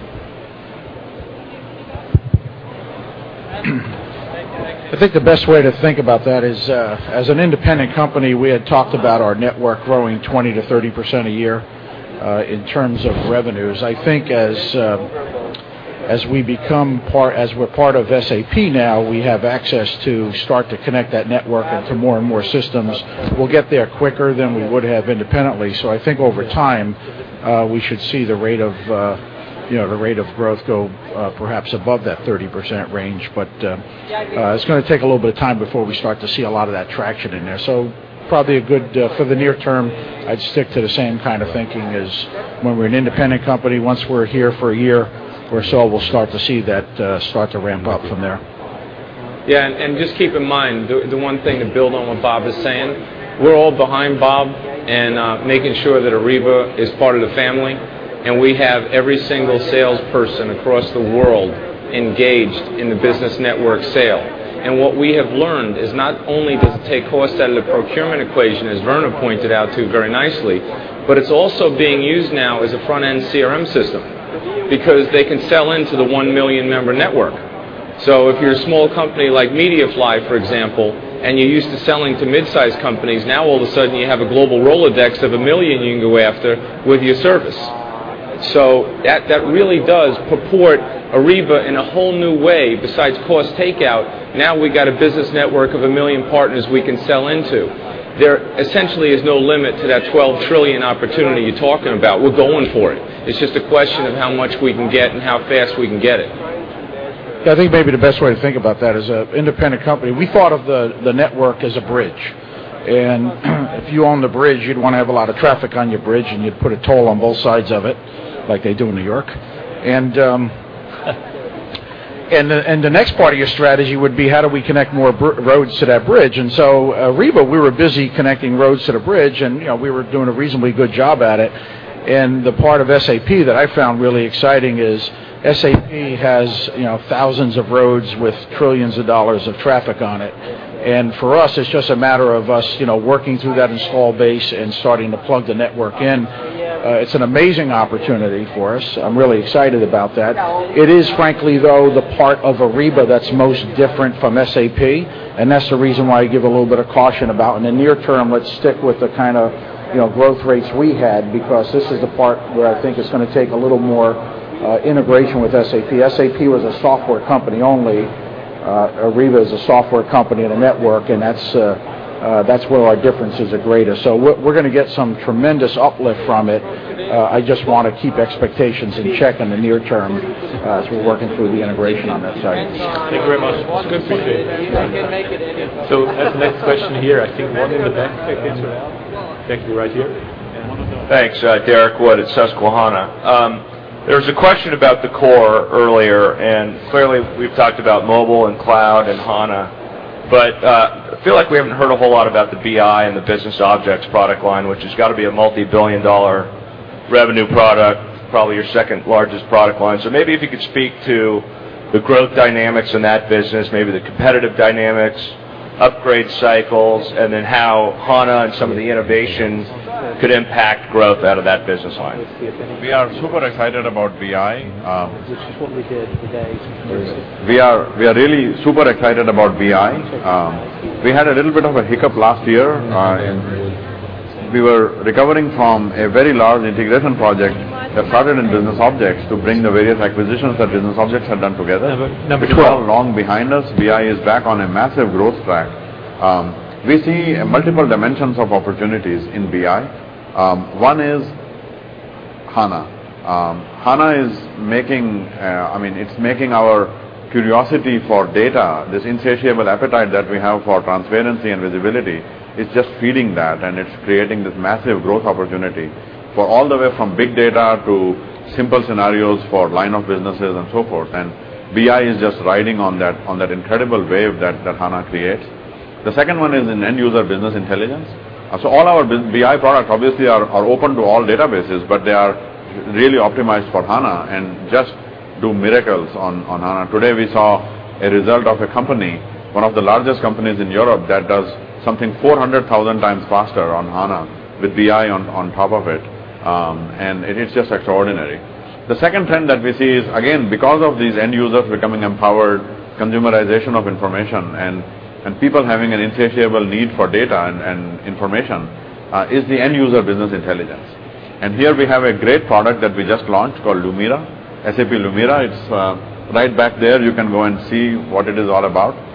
I think the best way to think about that is, as an independent company, we had talked about our network growing 20%-30% a year, in terms of revenues. I think as we're part of SAP now, we have access to start to connect that network into more and more systems. We'll get there quicker than we would have independently. I think over time, we should see the rate of growth go perhaps above that 30% range. It's going to take a little bit of time before we start to see a lot of that traction in there. Probably for the near term, I'd stick to the same kind of thinking as when we're an independent company. Once we're here for a year or so, we'll start to see that start to ramp up from there. Just keep in mind, the one thing to build on what Bob is saying, we're all behind Bob and making sure that Ariba is part of the family, and we have every single salesperson across the world engaged in the business network sale. What we have learned is not only does it take cost out of the procurement equation, as Werner pointed out, too, very nicely, but it's also being used now as a front-end CRM system because they can sell into the 1 million-member network. If you're a small company like Mediafly, for example, and you're used to selling to mid-size companies, now all of a sudden you have a global Rolodex of 1 million you can go after with your service. That really does purport Ariba in a whole new way besides cost takeout. We've got a business network of 1 million partners we can sell into. There essentially is no limit to that 12 trillion opportunity you're talking about. We're going for it. It's just a question of how much we can get and how fast we can get it. I think maybe the best way to think about that, as an independent company, we thought of the network as a bridge. If you own the bridge, you'd want to have a lot of traffic on your bridge, and you'd put a toll on both sides of it, like they do in New York. The next part of your strategy would be, how do we connect more roads to that bridge? Ariba, we were busy connecting roads to the bridge, and we were doing a reasonably good job at it. The part of SAP that I found really exciting is SAP has thousands of roads with trillions of EUR of traffic on it. For us, it's just a matter of us working through that install base and starting to plug the network in. It's an amazing opportunity for us. I'm really excited about that. It is frankly, though, the part of Ariba that's most different from SAP, and that's the reason why I give a little bit of caution about in the near term, let's stick with the kind of growth rates we had because this is the part where I think it's going to take a little more integration with SAP. SAP was a software company only. Ariba is a software company and a network, and that's where our differences are greatest. We're going to get some tremendous uplift from it. I just want to keep expectations in check in the near term, as we're working through the integration on that side. Thank you very much. It's good to see you. Yeah. As next question here, I think one in the back. Thank you. Right here. Thanks. Derrick Wood at Susquehanna. There was a question about the core earlier, and clearly we've talked about mobile and cloud and HANA, but I feel like we haven't heard a whole lot about the BI and the BusinessObjects product line, which has got to be a multi-billion EUR revenue product, probably your second-largest product line. Maybe if you could speak to the growth dynamics in that business, maybe the competitive dynamics, upgrade cycles, and then how HANA and some of the innovation could impact growth out of that business line. We are super excited about BI. We are really super excited about BI. We had a little bit of a hiccup last year. We were recovering from a very large integration project that started in BusinessObjects to bring the various acquisitions that BusinessObjects had done together. It's now long behind us. BI is back on a massive growth track. We see multiple dimensions of opportunities in BI. One is HANA. HANA is making our curiosity for data, this insatiable appetite that we have for transparency and visibility, is just feeding that, and it's creating this massive growth opportunity for all the way from big data to simple scenarios for line of businesses and so forth. BI is just riding on that incredible wave that HANA creates. The second one is in end user business intelligence. All our BI products obviously are open to all databases, but they are really optimized for HANA and just do miracles on HANA. Today we saw a result of a company, one of the largest companies in Europe, that does something 400,000 times faster on HANA with BI on top of it. It is just extraordinary. The second trend that we see is, again, because of these end users becoming empowered, consumerization of information, and people having an insatiable need for data and information, is the end user business intelligence. Here we have a great product that we just launched called Lumira. SAP Lumira, it's right back there. You can go and see what it is all about.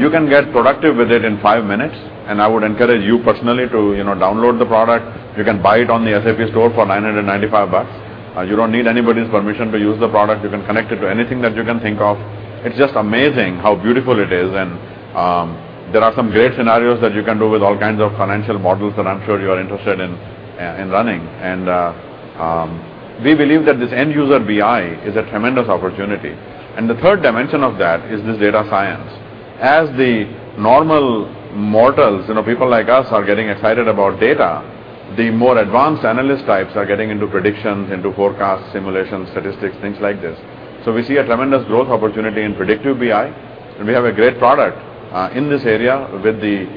You can get productive with it in five minutes, and I would encourage you personally to download the product. You can buy it on the SAP Store for EUR 995. You don't need anybody's permission to use the product. You can connect it to anything that you can think of. It's just amazing how beautiful it is, and there are some great scenarios that you can do with all kinds of financial models that I'm sure you are interested in running. We believe that this end user BI is a tremendous opportunity. The third dimension of that is this data science As the normal mortals, people like us, are getting excited about data, the more advanced analyst types are getting into predictions, into forecasts, simulations, statistics, things like this. We see a tremendous growth opportunity in predictive BI, and we have a great product in this area with the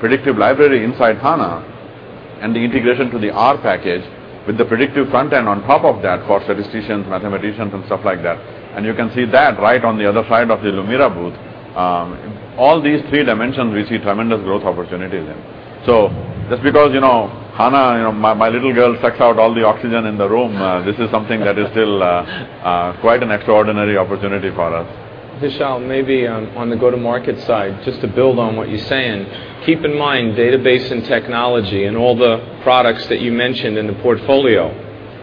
predictive library inside HANA and the integration to the R package, with the predictive front end on top of that for statisticians, mathematicians, and stuff like that. You can see that right on the other side of the Lumira booth. In all these three dimensions, we see tremendous growth opportunities in. Just because HANA, my little girl, sucks out all the oxygen in the room, this is something that is still quite an extraordinary opportunity for us. Vishal, maybe on the go-to-market side, just to build on what you're saying, keep in mind database and technology and all the products that you mentioned in the portfolio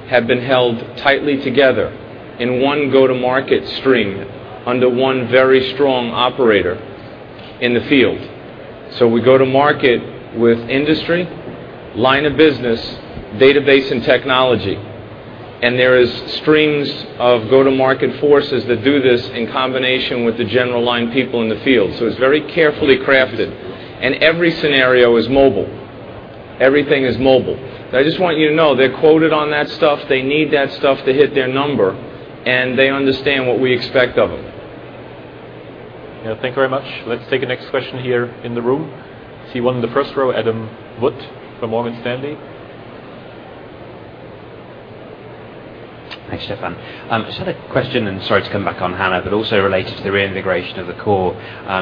have been held tightly together in one go-to-market stream under one very strong operator in the field. We go to market with industry, line of business, database, and technology, and there is strings of go-to-market forces that do this in combination with the general line people in the field. It's very carefully crafted, and every scenario is mobile. Everything is mobile. Now, I just want you to know, they're quoted on that stuff, they need that stuff to hit their number, and they understand what we expect of them. Thank you very much. Let's take the next question here in the room. I see one in the first row, Adam Wood from Morgan Stanley. Thanks, Stefan. I just had a question, sorry to come back on HANA, also related to the reintegration of the core.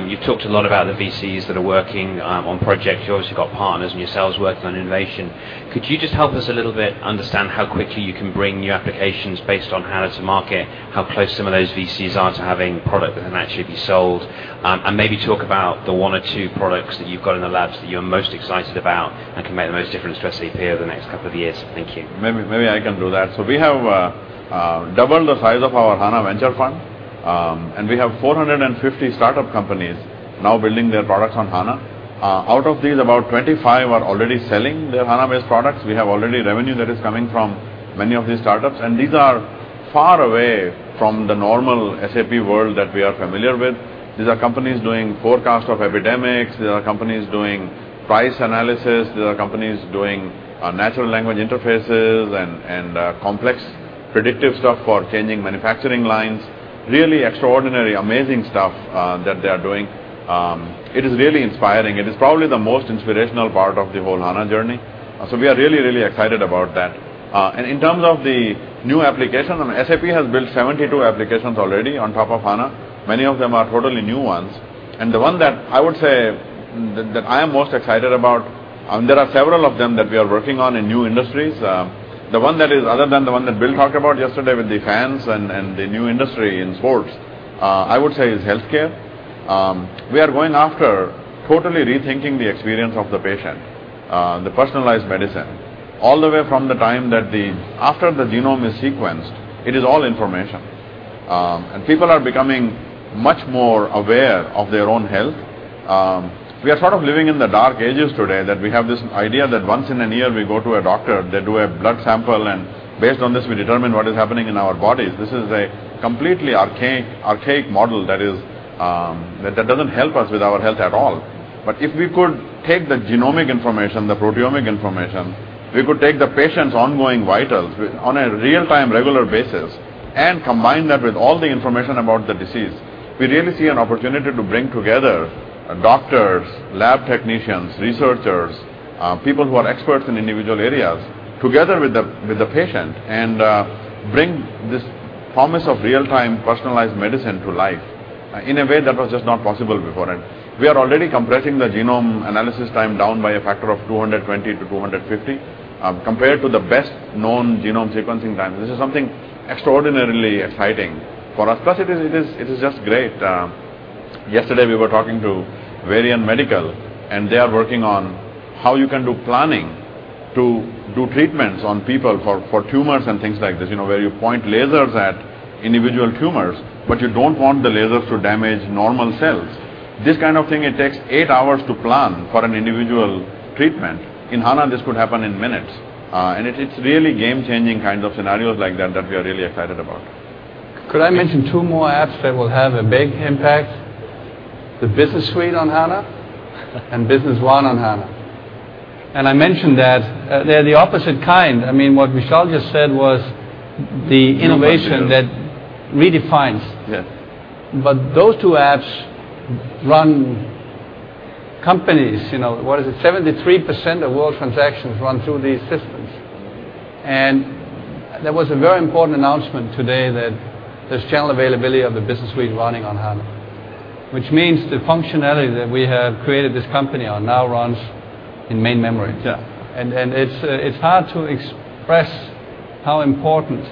You've talked a lot about the VCs that are working on project. You've obviously got partners and your sales working on innovation. Could you just help us a little bit understand how quickly you can bring new applications based on HANA to market, how close some of those VCs are to having product that can actually be sold? Maybe talk about the one or two products that you've got in the labs that you're most excited about and can make the most difference for SAP over the next couple of years. Thank you. Maybe I can do that. We have doubled the size of our HANA venture fund, we have 450 startup companies now building their products on HANA. Out of these, about 25 are already selling their HANA-based products. We have already revenue that is coming from many of these startups, these are far away from the normal SAP world that we are familiar with. These are companies doing forecasts of epidemics. These are companies doing price analysis. These are companies doing natural language interfaces and complex predictive stuff for changing manufacturing lines. Really extraordinary, amazing stuff that they are doing. It is really inspiring, it's probably the most inspirational part of the whole HANA journey. We are really, really excited about that. In terms of the new application, SAP has built 72 applications already on top of HANA. Many of them are totally new ones. The one that I would say that I am most excited about, there are several of them that we are working on in new industries. The one that is other than the one that Bill talked about yesterday with the fans and the new industry in sports, I would say, is healthcare. We are going after totally rethinking the experience of the patient, the personalized medicine, all the way from the time that After the genome is sequenced, it is all information. People are becoming much more aware of their own health. We are sort of living in the dark ages today, that we have this idea that once in a year, we go to a doctor, they do a blood sample, based on this, we determine what is happening in our bodies. This is a completely archaic model that doesn't help us with our health at all. If we could take the genomic information, the proteomic information, we could take the patient's ongoing vitals on a real-time, regular basis and combine that with all the information about the disease. We really see an opportunity to bring together doctors, lab technicians, researchers, people who are experts in individual areas, together with the patient, and bring this promise of real-time, personalized medicine to life in a way that was just not possible before. We are already compressing the genome analysis time down by a factor of 420 to 450, compared to the best known genome sequencing time. This is something extraordinarily exciting for us. It is just great. Yesterday, we were talking to Varian Medical, and they are working on how you can do planning to do treatments on people for tumors and things like this, where you point lasers at individual tumors, but you don't want the laser to damage normal cells. This kind of thing, it takes eight hours to plan for an individual treatment. In HANA, this could happen in minutes. It's really game-changing kind of scenarios like that we are really excited about. Could I mention two more apps that will have a big impact? The Business Suite on HANA and Business One on HANA. I mentioned that they're the opposite kind. What Vishal just said was the innovation that redefines. Yeah. Those two apps run companies. What is it? 73% of world transactions run through these systems. There was a very important announcement today that there's general availability of the Business Suite running on HANA, which means the functionality that we have created this company on now runs in main memory. Yeah. It's hard to express how important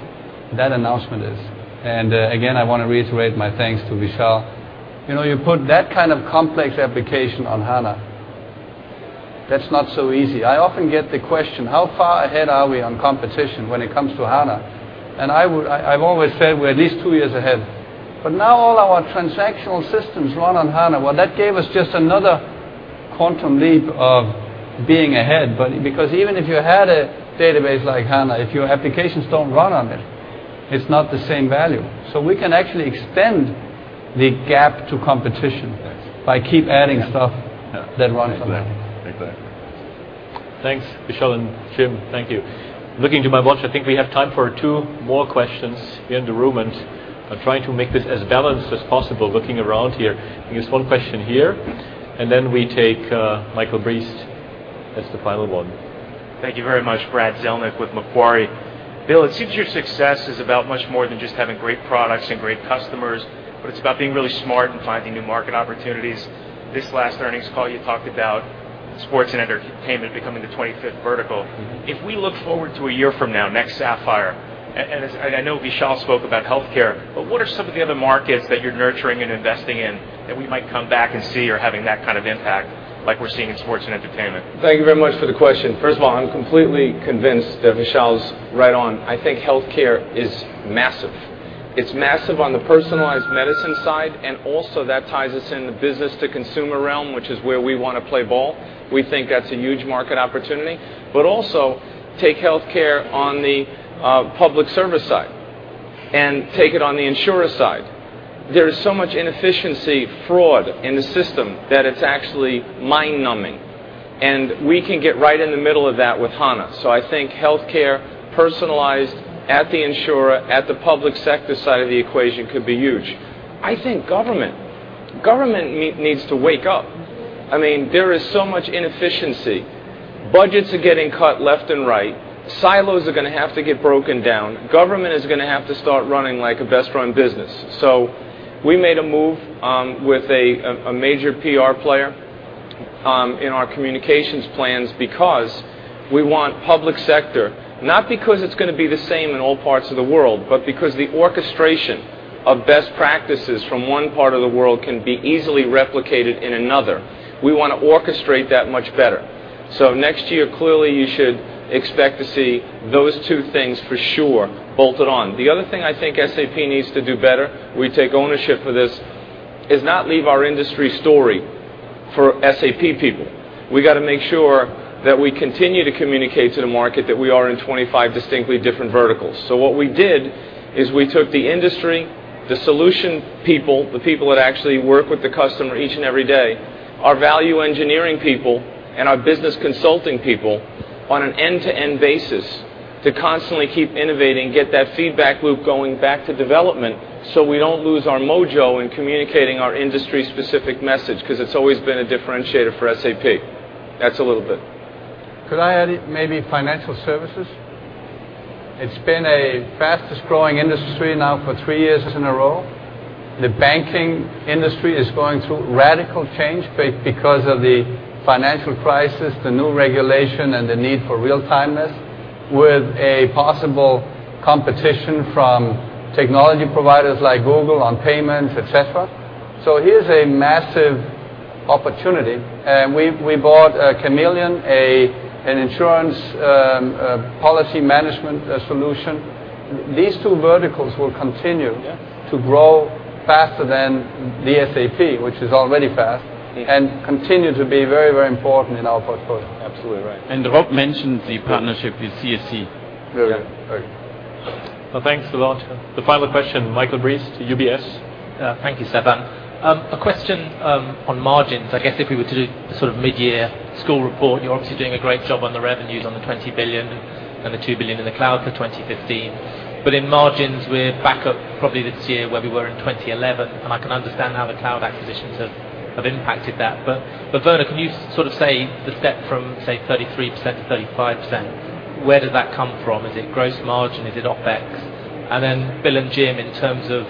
that announcement is. Again, I want to reiterate my thanks to Vishal. You put that kind of complex application on HANA, that's not so easy. I often get the question, how far ahead are we on competition when it comes to HANA? I've always said we're at least two years ahead. Now all our transactional systems run on HANA. Well, that gave us just another quantum leap of being ahead, because even if you had a database like HANA, if your applications don't run on it's not the same value. We can actually extend the gap to competition Yes by keep adding stuff that runs on that. Exactly. Thanks, Vishal and Jim. Thank you. Looking to my watch, I think we have time for two more questions here in the room, I'll try to make this as balanced as possible, looking around here. I think there's one question here, we take Michael Briest as the final one. Thank you very much, Brad Zelnick with Macquarie. Bill, it seems your success is about much more than just having great products and great customers, but it is about being really smart and finding new market opportunities. This last earnings call, you talked about sports and entertainment becoming the 25th vertical. If we look forward to a year from now, next Sapphire, I know Vishal spoke about healthcare, what are some of the other markets that you are nurturing and investing in that we might come back and see are having that kind of impact like we are seeing in sports and entertainment? Thank you very much for the question. First of all, I am completely convinced that Vishal is right on. I think healthcare is massive. It is massive on the personalized medicine side, also that ties us in the business to consumer realm, which is where we want to play ball. We think that is a huge market opportunity. Also take healthcare on the public service side and take it on the insurer side. There is so much inefficiency, fraud in the system that it is actually mind-numbing, we can get right in the middle of that with HANA. I think healthcare personalized at the insurer, at the public sector side of the equation could be huge. I think government. Government needs to wake up. There is so much inefficiency. Budgets are getting cut left and right. Silos are going to have to get broken down. Government is going to have to start running like a best-run business. We made a move with a major PR player in our communications plans because we want public sector, not because it is going to be the same in all parts of the world, because the orchestration of best practices from one part of the world can be easily replicated in another. We want to orchestrate that much better. Next year, clearly you should expect to see those two things for sure bolted on. The other thing I think SAP needs to do better, we take ownership for this, is not leave our industry story for SAP people. We got to make sure that we continue to communicate to the market that we are in 25 distinctly different verticals. What we did is we took the industry, the solution people, the people that actually work with the customer each and every day, our value engineering people, and our business consulting people on an end-to-end basis to constantly keep innovating, get that feedback loop going back to development so we don't lose our mojo in communicating our industry-specific message, because it's always been a differentiator for SAP. That's a little bit. Could I add maybe financial services? It's been a fastest-growing industry now for three years in a row. The banking industry is going through radical change because of the financial crisis, the new regulation, and the need for real-timeness with a possible competition from technology providers like Google on payments, et cetera. Here's a massive opportunity, and we bought Camilion, an insurance policy management solution. These two verticals will continue- Yes to grow faster than the SAP, which is already fast- Yes continue to be very, very important in our portfolio. Absolutely right. Rob mentioned the partnership with CSC. Right. Well, thanks a lot. The final question, Michael Briest, UBS. Thank you, Stefan. A question on margins. I guess if we were to do a sort of mid-year school report, you are obviously doing a great job on the revenues on the 20 billion and the 2 billion in the cloud for 2015. But in margins, we are back up probably this year where we were in 2011. I can understand how the cloud acquisitions have impacted that. But Werner, can you sort of say the step from, say, 33%-35%, where did that come from? Is it gross margin? Is it OpEx? Bill and Jim, in terms of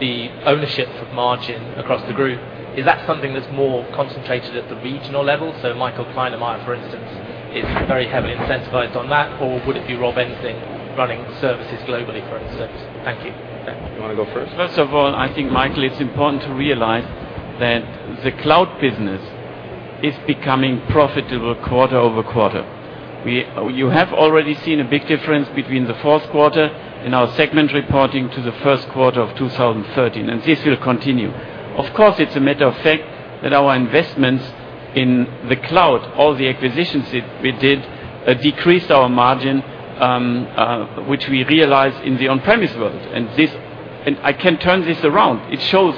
the ownership of margin across the group, is that something that is more concentrated at the regional level? So Michael Kleinemeier, for instance, is very heavily incentivized on that, or would it be Rob Enslin running services globally, for instance? Thank you. You want to go first? Michael, it is important to realize that the cloud business is becoming profitable quarter over quarter. You have already seen a big difference between the fourth quarter in our segment reporting to the first quarter of 2013, and this will continue. Of course, it is a matter of fact that our investments in the cloud, all the acquisitions we did, decreased our margin, which we realized in the on-premise world. I can turn this around. It shows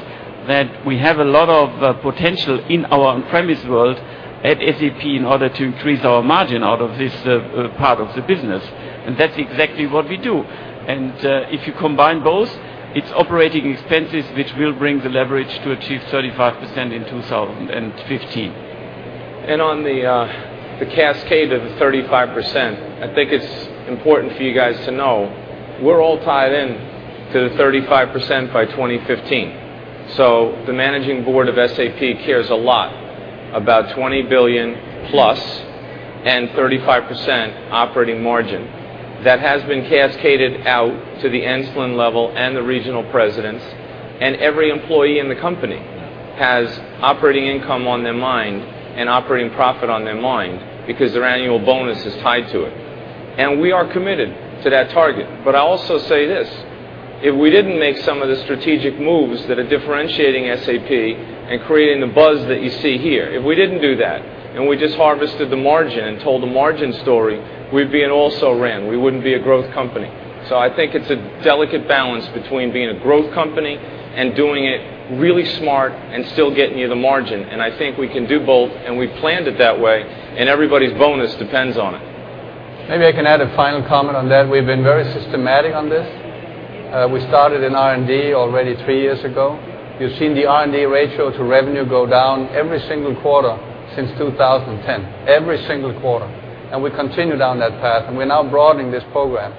that we have a lot of potential in our on-premise world at SAP in order to increase our margin out of this part of the business. That is exactly what we do. If you combine both, it is operating expenses which will bring the leverage to achieve 35% in 2015. On the cascade of the 35%, I think it is important for you guys to know we are all tied in to the 35% by 2015. The managing board of SAP cares a lot about 20 billion-plus and 35% operating margin. That has been cascaded out to the Enslin level and the regional presidents, and every employee in the company has operating income on their mind and operating profit on their mind because their annual bonus is tied to it. We are committed to that target. I also say this, if we did not make some of the strategic moves that are differentiating SAP and creating the buzz that you see here, if we did not do that and we just harvested the margin and told a margin story, we would be an also-ran. We would not be a growth company. I think it's a delicate balance between being a growth company and doing it really smart and still getting you the margin. I think we can do both, and we planned it that way, and everybody's bonus depends on it. Maybe I can add a final comment on that. We've been very systematic on this. We started in R&D already three years ago. You've seen the R&D ratio to revenue go down every single quarter since 2010. Every single quarter. We continue down that path, and we're now broadening this program.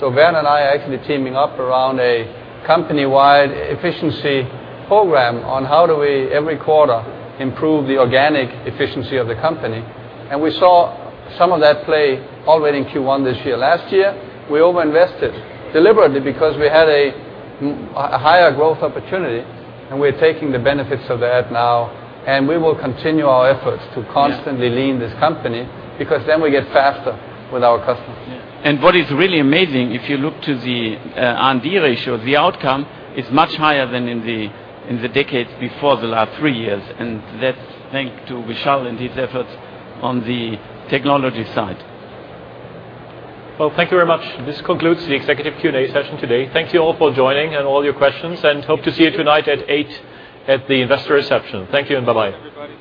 Werner and I are actually teaming up around a company-wide efficiency program on how do we every quarter improve the organic efficiency of the company. We saw some of that play already in Q1 this year. Last year, we over-invested deliberately because we had a higher growth opportunity, and we're taking the benefits of that now, and we will continue our efforts to constantly lean this company, because we get faster with our customers. What is really amazing, if you look to the R&D ratio, the outcome is much higher than in the decades before the last three years, and that's thanks to Vishal and his efforts on the technology side. Well, thank you very much. This concludes the executive Q&A session today. Thank you all for joining and all your questions, and hope to see you tonight at 8:00 at the investor reception. Thank you, and bye-bye. Thank you, everybody.